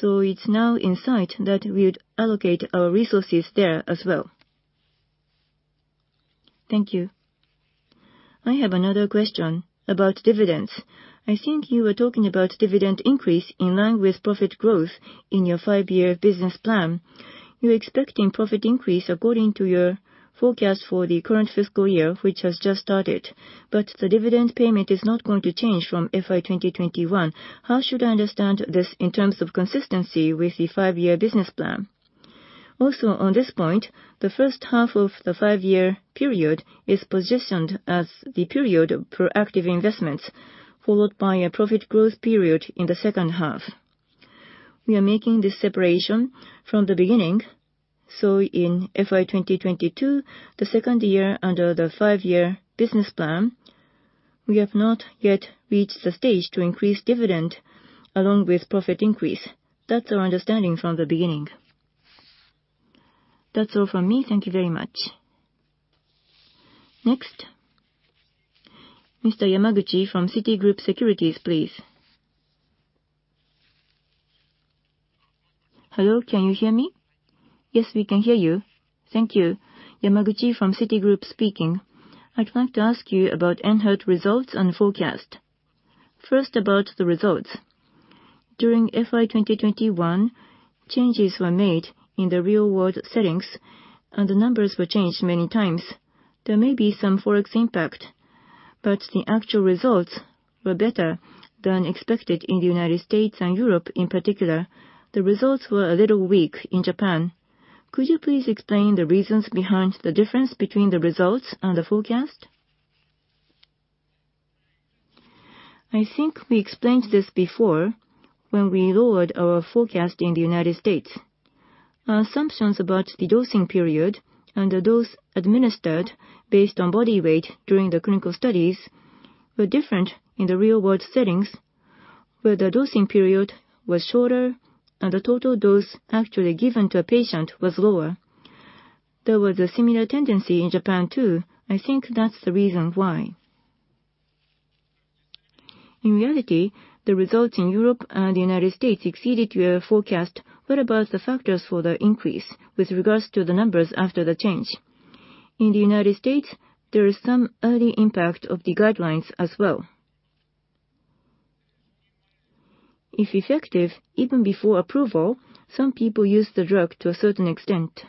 so it's now in sight that we would allocate our resources there as well. Thank you. I have another question about dividends. I think you were talking about dividend increase in line with profit growth in your five-year business plan. You're expecting profit increase according to your forecast for the current fiscal year, which has just started. The dividend payment is not going to change from FY 2021. How should I understand this in terms of consistency with the five-year business plan? Also on this point, the first half of the five-year period is positioned as the period of proactive investments, followed by a profit growth period in the second half. We are making this separation from the beginning, so in FY 2022, the second year under the five-year business plan, we have not yet reached the stage to increase dividend along with profit increase. That's our understanding from the beginning. That's all from me. Thank you very much. Next, Mr. Yamaguchi from Citigroup Securities., please. Hello, can you hear me? Yes, we can hear you. Thank you. Yamaguchi from Citigroup speaking. I'd like to ask you about ENHERTU results and forecast. First, about the results. During FY 2021, changes were made in the real-world settings and the numbers were changed many times. There may be some Forex impact, but the actual results were better than expected in the United States and Europe in particular. The results were a little weak in Japan. Could you please explain the reasons behind the difference between the results and the forecast? I think we explained this before when we lowered our forecast in the United States. Assumptions about the dosing period and the dose administered based on body weight during the clinical studies were different in the real-world settings, where the dosing period was shorter and the total dose actually given to a patient was lower. There was a similar tendency in Japan too. I think that's the reason why. In reality, the results in Europe and the United States exceeded your forecast. What about the factors for the increase with regards to the numbers after the change? In the United States, there is some early impact of the guidelines as well. If effective, even before approval, some people use the drug to a certain extent.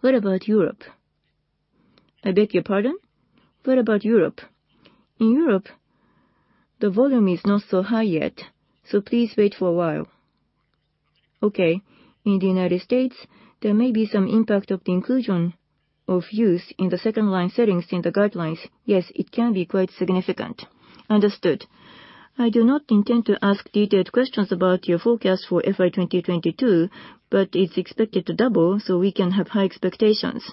What about Europe? I beg your pardon? What about Europe? In Europe, the volume is not so high yet, so please wait for a while. Okay. In the United States, there may be some impact of the inclusion of ENHERTU in the second-line settings in the guidelines. Yes, it can be quite significant. Understood. I do not intend to ask detailed questions about your forecast for FY 2022, but it's expected to double, so we can have high expectations.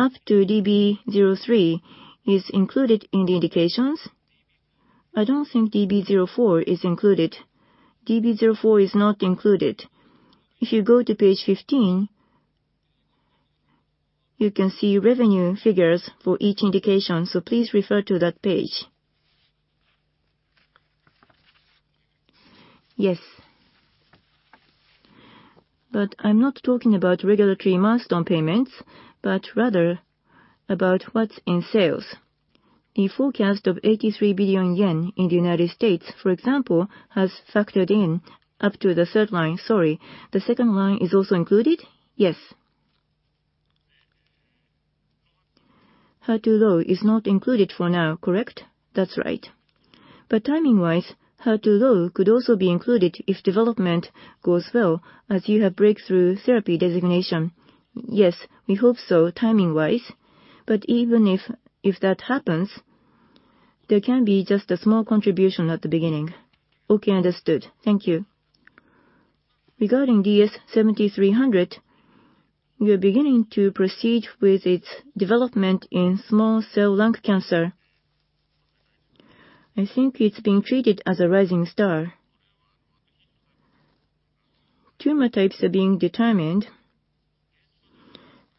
Up to DB-03 is included in the indications. I don't think DB-04 is included. DB-04 is not included. If you go to page 15, you can see revenue figures for each indication, so please refer to that page. Yes. I'm not talking about regulatory milestone payments, but rather about what's in sales. The forecast of 83 billion yen in the United States, for example, has factored in up to the third line. Sorry, the second line is also included? Yes. HER2-low is not included for now, correct? That's right. Timing-wise, HER2-low could also be included if development goes well, as you have breakthrough therapy designation. Yes. We hope so timing-wise, but even if that happens, there can be just a small contribution at the beginning. Okay. Understood. Thank you. Regarding DS-7300, you're beginning to proceed with its development in small cell lung cancer. I think it's being treated as a rising star. Tumor types are being determined.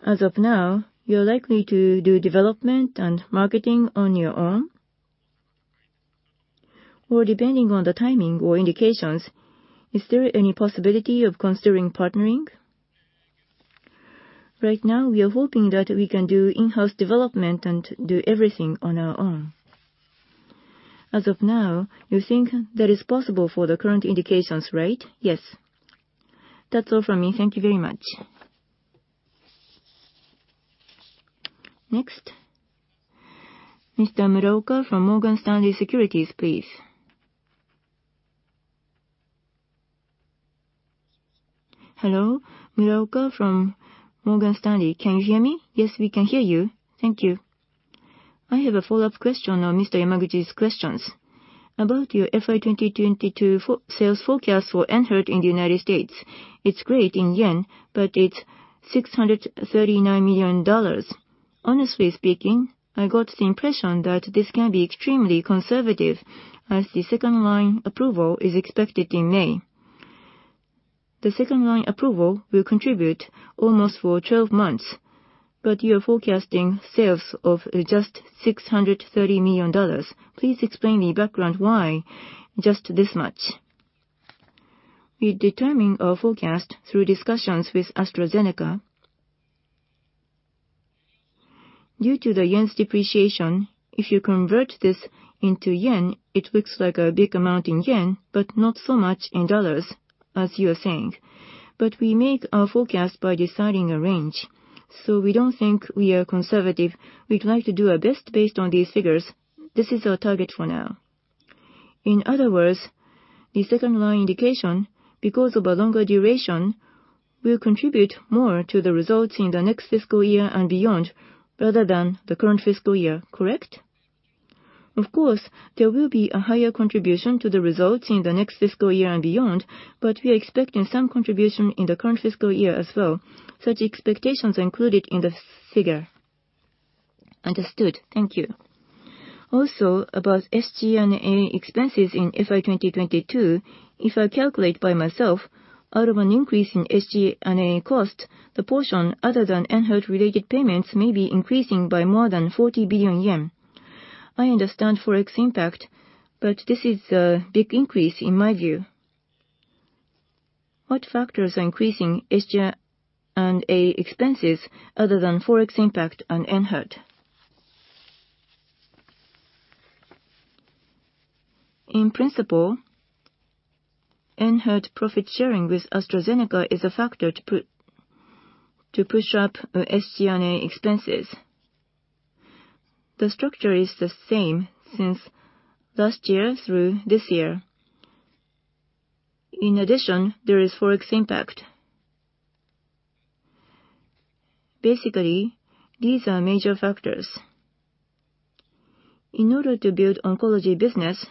As of now, you're likely to do development and marketing on your own? Or depending on the timing or indications, is there any possibility of considering partnering? Right now we are hoping that we can do in-house development and do everything on our own. As of now, you think that is possible for the current indications, right? Yes. That's all from me. Thank you very much. Next, Mr. Muraoka from Morgan Stanley MUFG Securities, please. Hello, Muraoka from Morgan Stanley MUFG Securities. Can you hear me? Yes, we can hear you. Thank you. I have a follow-up question on Mr. Yamaguchi's questions. About your FY 2022 sales forecast for ENHERTU in the United States. It's great in yen, but it's $639 million. Honestly speaking, I got the impression that this can be extremely conservative as the second-line approval is expected in May. The second-line approval will contribute almost for 12 months, but you are forecasting sales of just $630 million. Please explain the background why just this much. We determine our forecast through discussions with AstraZeneca. Due to the yen's depreciation, if you convert this into yen, it looks like a big amount in yen, but not so much in dollars, as you are saying. We make our forecast by deciding a range, so we don't think we are conservative. We'd like to do our best based on these figures. This is our target for now. In other words, the second-line indication, because of a longer duration, will contribute more to the results in the next fiscal year and beyond, rather than the current fiscal year, correct? Of course, there will be a higher contribution to the results in the next fiscal year and beyond, but we are expecting some contribution in the current fiscal year as well. Such expectations are included in this figure. Understood. Thank you. Also, about SG&A expenses in FY 2022, if I calculate by myself, out of an increase in SG&A cost, the portion other than ENHERTU-related payments may be increasing by more than 40 billion yen. I understand Forex impact, but this is a big increase in my view. What factors are increasing SG&A expenses other than Forex impact on ENHERTU? In principle, ENHERTU profit sharing with AstraZeneca is a factor to push up SG&A expenses. The structure is the same since last year through this year. In addition, there is Forex impact. Basically, these are major factors. In order to build oncology business,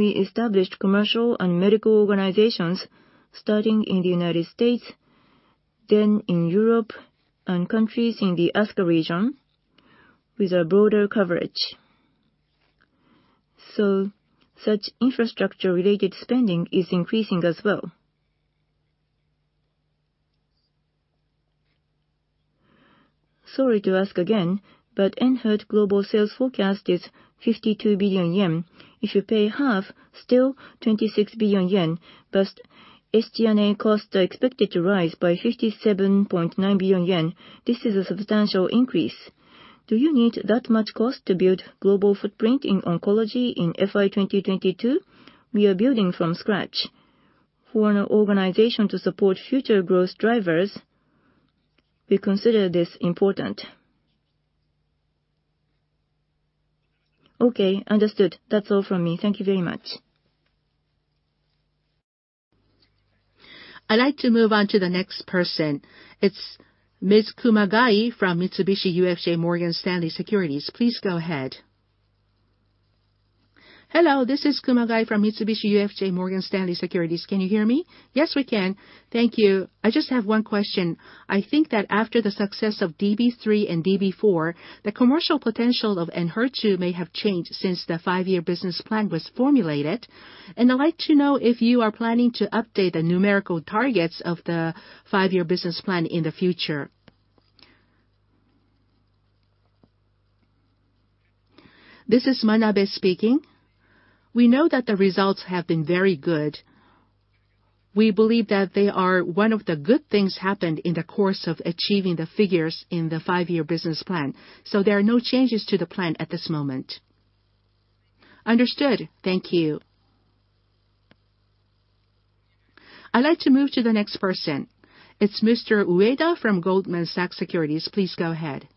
we established commercial and medical organizations starting in the United States, then in Europe and countries in the ASCA region with a broader coverage. Such infrastructure-related spending is increasing as well. Sorry to ask again, but ENHERTU global sales forecast is 52 billion yen. If you pay half, still 26 billion yen, but SG&A costs are expected to rise by 57.9 billion yen. This is a substantial increase. Do you need that much cost to build global footprint in oncology in FY 2022? We are building from scratch. For an organization to support future growth drivers, we consider this important. Okay. Understood. That's all from me. Thank you very much. I'd like to move on to the next person. It's Ms. Kumagai from Mitsubishi UFJ Morgan Stanley Securities. Please go ahead. Hello, this is Kumagai from Mitsubishi UFJ Morgan Stanley Securities. Can you hear me? Yes, we can. Thank you. I just have one question. I think that after the success of DESTINY-Breast03 and DESTINY-Breast04, the commercial potential of ENHERTU may have changed since the five-year business plan was formulated. I'd like to know if you are planning to update the numerical targets of the five-year business plan in the future. This is Manabe speaking. We know that the results have been very good. We believe that they are one of the good things happened in the course of achieving the figures in the five-year business plan, so there are no changes to the plan at this moment. Understood. Thank you. I'd like to move to the next person. It's Mr. Ueda from Goldman Sachs Securities. Please go ahead.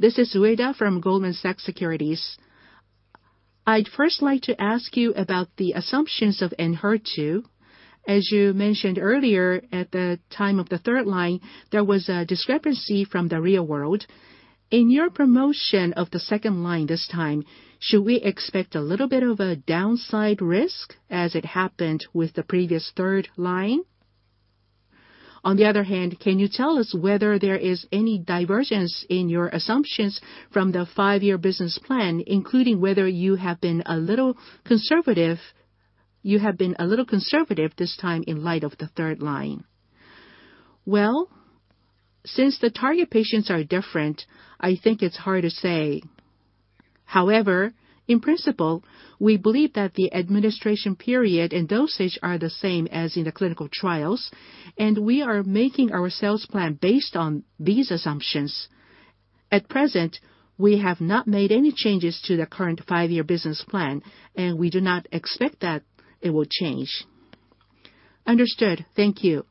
This is Ueda from Goldman Sachs Securities. I'd first like to ask you about the assumptions of ENHERTU. As you mentioned earlier at the time of the third line, there was a discrepancy from the real world. In your promotion of the second line this time, should we expect a little bit of a downside risk as it happened with the previous third line? On the other hand, can you tell us whether there is any divergence in your assumptions from the five-year business plan, including whether you have been a little conservative, you have been a little conservative this time in light of the third line? Well, since the target patients are different, I think it's hard to say. However, in principle, we believe that the administration period and dosage are the same as in the clinical trials, and we are making our sales plan based on these assumptions. At present, we have not made any changes to the current five-year business plan, and we do not expect that it will change. Understood. Thank you.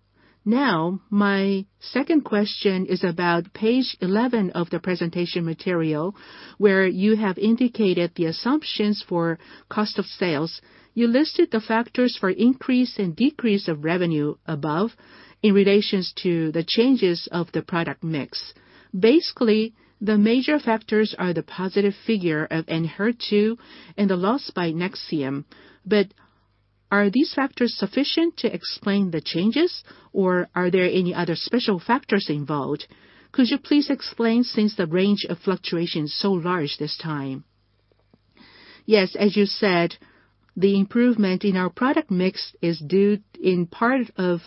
Now, my second question is about page 11 of the presentation material, where you have indicated the assumptions for cost of sales. You listed the factors for increase and decrease of revenue above in relation to the changes of the product mix. Basically, the major factors are the positive figure of ENHERTU and the loss by Nexium. But are these factors sufficient to explain the changes, or are there any other special factors involved? Could you please explain since the range of fluctuation is so large this time? Yes. As you said, the improvement in our product mix is due in part to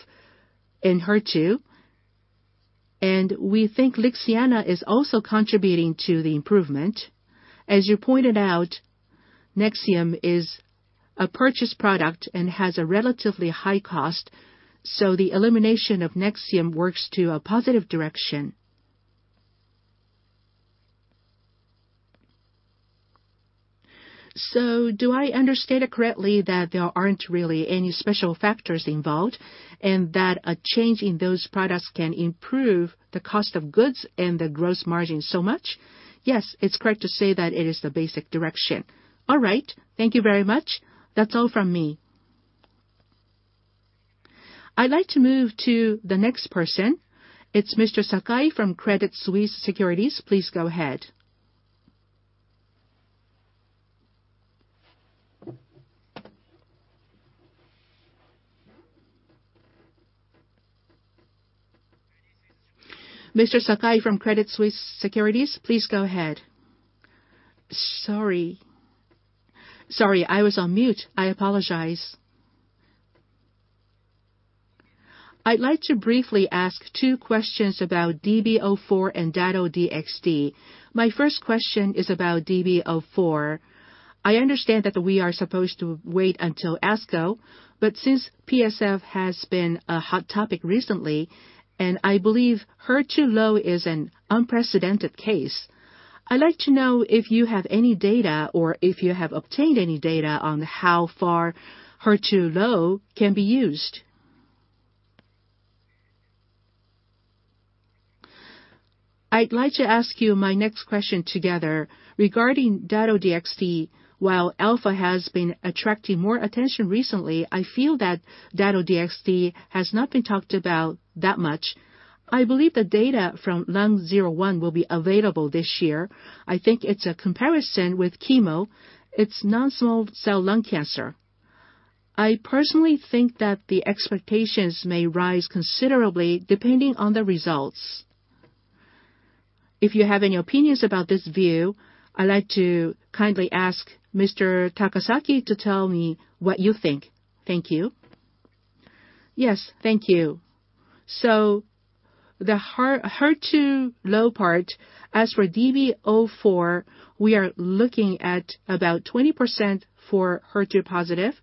ENHERTU, and we think Lixiana is also contributing to the improvement. As you pointed out, Nexium is a purchase product and has a relatively high cost, so the elimination of Nexium works to a positive direction. Do I understand it correctly that there aren't really any special factors involved and that a change in those products can improve the cost of goods and the gross margin so much? Yes, it's correct to say that it is the basic direction. All right. Thank you very much. That's all from me. I'd like to move to the next person. It's Mr. Sakai from Credit Suisse Securities. Please go ahead. Mr. Sakai from Credit Suisse Securities, please go ahead. Sorry, I was on mute. I apologize. I'd like to briefly ask two questions about DB-04 and Dato-DXd. My first question is about DESTINY-Breast04. I understand that we are supposed to wait until ASCO, but since PFS has been a hot topic recently, and I believe HER2-low is an unprecedented case, I'd like to know if you have any data or if you have obtained any data on how far HER2-low can be used. I'd like to ask you my next question together. Regarding Dato-DXd, while AstraZeneca has been attracting more attention recently, I feel that Dato-DXd has not been talked about that much. I believe the data from TROPION-Lung01 will be available this year. I think it's a comparison with chemo. It's non-small cell lung cancer. I personally think that the expectations may rise considerably depending on the results. If you have any opinions about this view, I'd like to kindly ask Mr. Takasaki to tell me what you think. Thank you. Yes. Thank you. The HER2-low part, as for DB04, we are looking at about 20% for HER2 positive,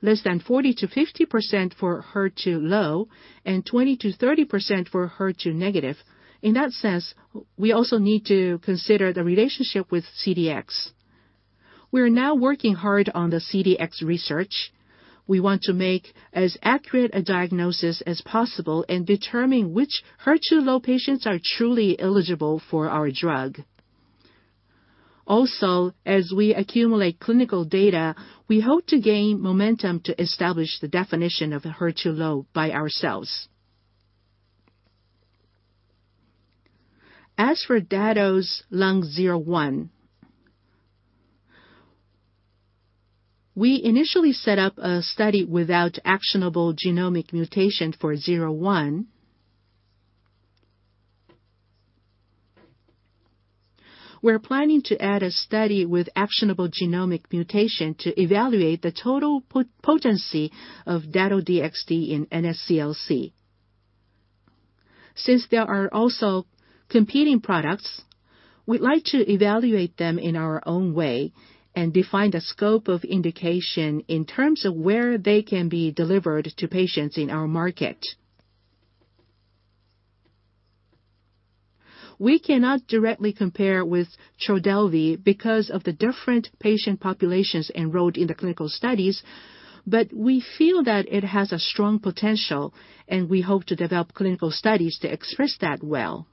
less than 40%-50% for HER2-low, and 20%-30% for HER2 negative. In that sense, we also need to consider the relationship with CDx. We are now working hard on the CDx research. We want to make as accurate a diagnosis as possible and determine which HER2-low patients are truly eligible for our drug. Also, as we accumulate clinical data, we hope to gain momentum to establish the definition of HER2-low by ourselves. As for Dato-DXd Lung01, we initially set up a study without actionable genomic mutation. We're planning to add a study with actionable genomic mutation to evaluate the total potency of Dato-DXd in NSCLC. Since there are also competing products, we'd like to evaluate them in our own way and define the scope of indication in terms of where they can be delivered to patients in our market. We cannot directly compare with Trodelvy because of the different patient populations enrolled in the clinical studies, but we feel that it has a strong potential, and we hope to develop clinical studies to express that well.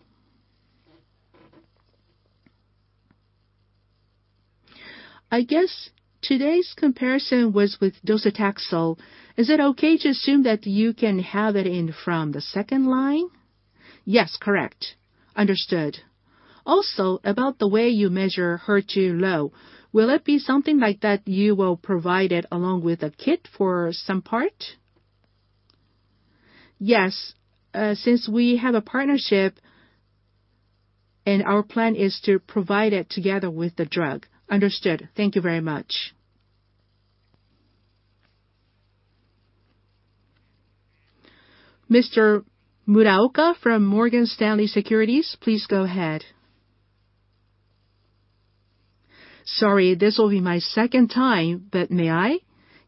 I guess today's comparison was with docetaxel. Is it okay to assume that you can have it in from the second line? Yes, correct. Understood. Also, about the way you measure HER2-low, will it be something like that you will provide it along with a kit for some part? Yes. Since we have a partnership, and our plan is to provide it together with the drug. Understood. Thank you very much. Mr. Muraoka from Morgan Stanley MUFG Securities, please go ahead. Sorry, this will be my second time, but may I?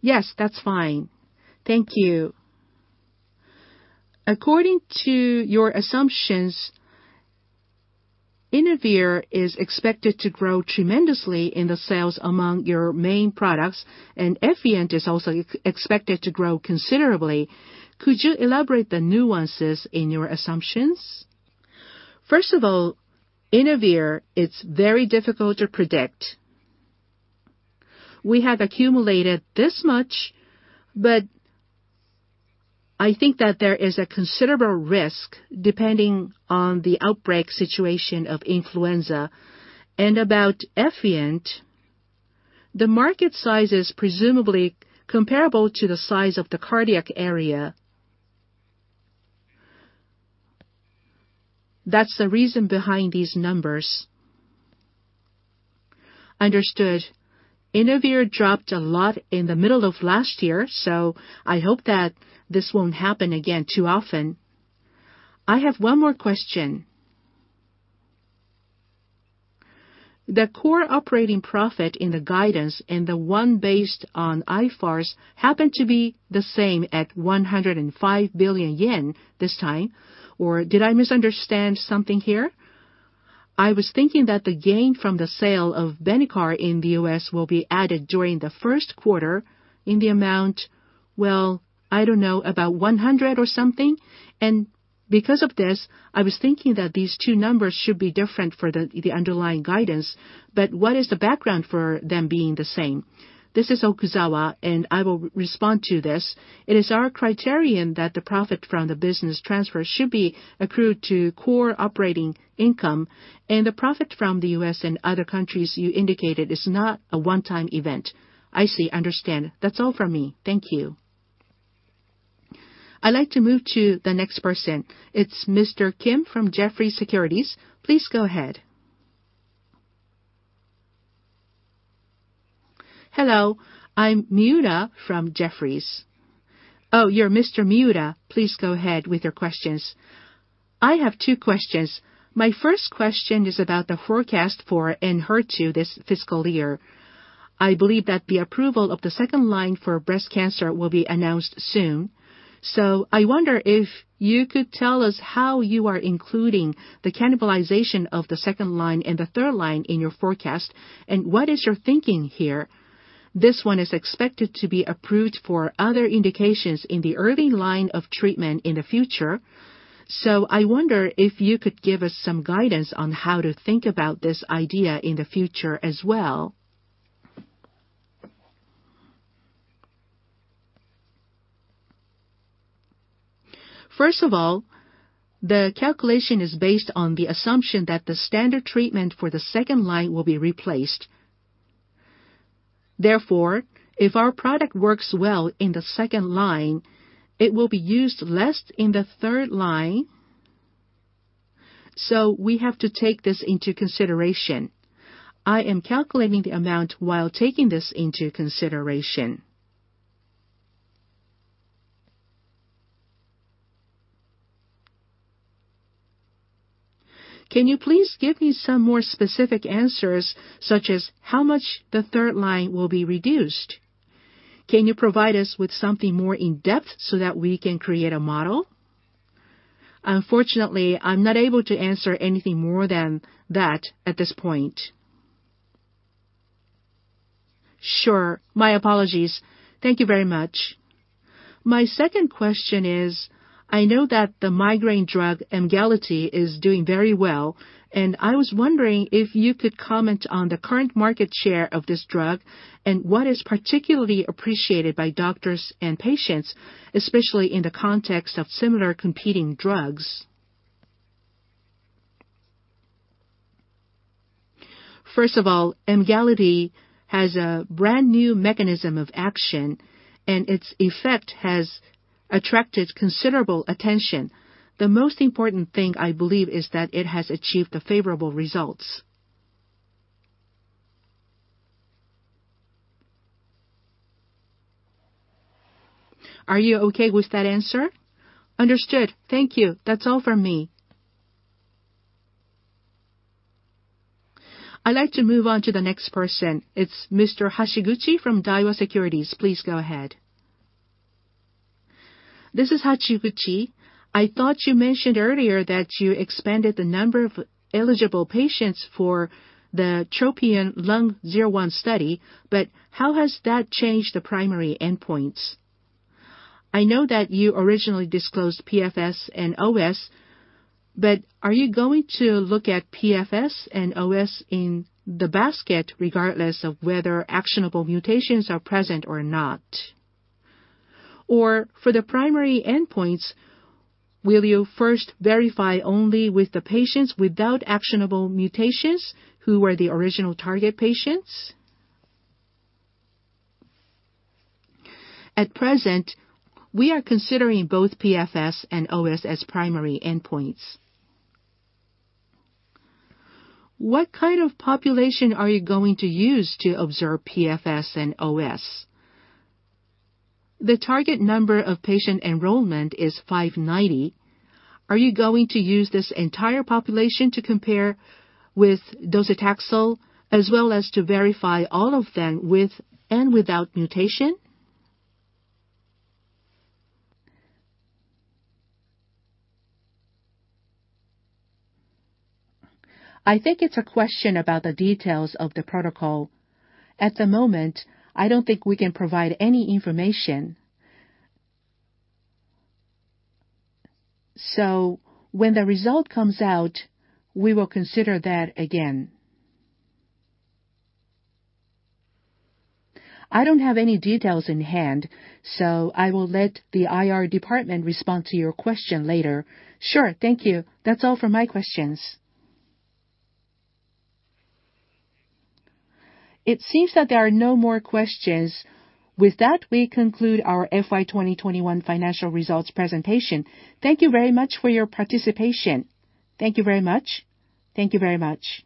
Yes, that's fine. Thank you. According to your assumptions, Inavir is expected to grow tremendously in the sales among your main products, and Efient is also expected to grow considerably. Could you elaborate the nuances in your assumptions? First of all, Inavir, it's very difficult to predict. We have accumulated this much, but I think that there is a considerable risk depending on the outbreak situation of influenza. About Efient, the market size is presumably comparable to the size of the cardiac area. That's the reason behind these numbers. Understood. Inavir dropped a lot in the middle of last year, so I hope that this won't happen again too often. I have one more question. The core operating profit in the guidance and the one based on IFRS happened to be the same at 105 billion yen this time. Did I misunderstand something here? I was thinking that the gain from the sale of Benicar in the U.S. will be added during the first quarter in the amount, well, I don't know, about 100 or something. Because of this, I was thinking that these two numbers should be different for the underlying guidance. What is the background for them being the same? This is Okuzawa, and I will respond to this. It is our criterion that the profit from the business transfer should be accrued to core operating income, and the profit from the U.S. and other countries you indicated is not a one-time event. I see. Understand. That's all from me. Thank you. I'd like to move to the next person. It's Mr. Miura from Jefferies Securities. Please go ahead. Hello, I'm Miura from Jefferies. Oh, you're Mr. Miura. Please go ahead with your questions. I have two questions. My first question is about the forecast for ENHERTU this fiscal year. I believe that the approval of the second line for breast cancer will be announced soon. I wonder if you could tell us how you are including the cannibalization of the second line and the third line in your forecast, and what is your thinking here? This one is expected to be approved for other indications in the early line of treatment in the future. I wonder if you could give us some guidance on how to think about this idea in the future as well. First of all, the calculation is based on the assumption that the standard treatment for the second line will be replaced. Therefore, if our product works well in the second line, it will be used less in the third line. We have to take this into consideration. I am calculating the amount while taking this into consideration. Can you please give me some more specific answers, such as how much the third line will be reduced? Can you provide us with something more in-depth so that we can create a model? Unfortunately, I'm not able to answer anything more than that at this point. Sure. My apologies. Thank you very much. My second question is, I know that the migraine drug, Emgality, is doing very well, and I was wondering if you could comment on the current market share of this drug and what is particularly appreciated by doctors and patients, especially in the context of similar competing drugs. First of all, Emgality has a brand-new mechanism of action, and its effect has attracted considerable attention. The most important thing, I believe, is that it has achieved the favorable results. Are you okay with that answer? Understood. Thank you. That's all from me. I'd like to move on to the next person. It's Mr. Hashiguchi from Daiwa Securities. Please go ahead. This is Hashiguchi. I thought you mentioned earlier that you expanded the number of eligible patients for the TROPION-Lung01 study, but how has that changed the primary endpoints? I know that you originally disclosed PFS and OS, but are you going to look at PFS and OS in the basket regardless of whether actionable mutations are present or not? Or for the primary endpoints, will you first verify only with the patients without actionable mutations who were the original target patients? At present, we are considering both PFS and OS as primary endpoints. What kind of population are you going to use to observe PFS and OS? The target number of patient enrollment is 590. Are you going to use this entire population to compare with docetaxel as well as to verify all of them with and without mutation? I think it's a question about the details of the protocol. At the moment, I don't think we can provide any information. When the result comes out, we will consider that again. I don't have any details in hand, so I will let the IR department respond to your question later. Sure. Thank you. That's all for my questions. It seems that there are no more questions. With that, we conclude our FY 2021 financial results presentation. Thank you very much for your participation. Thank you very much. Thank you very much.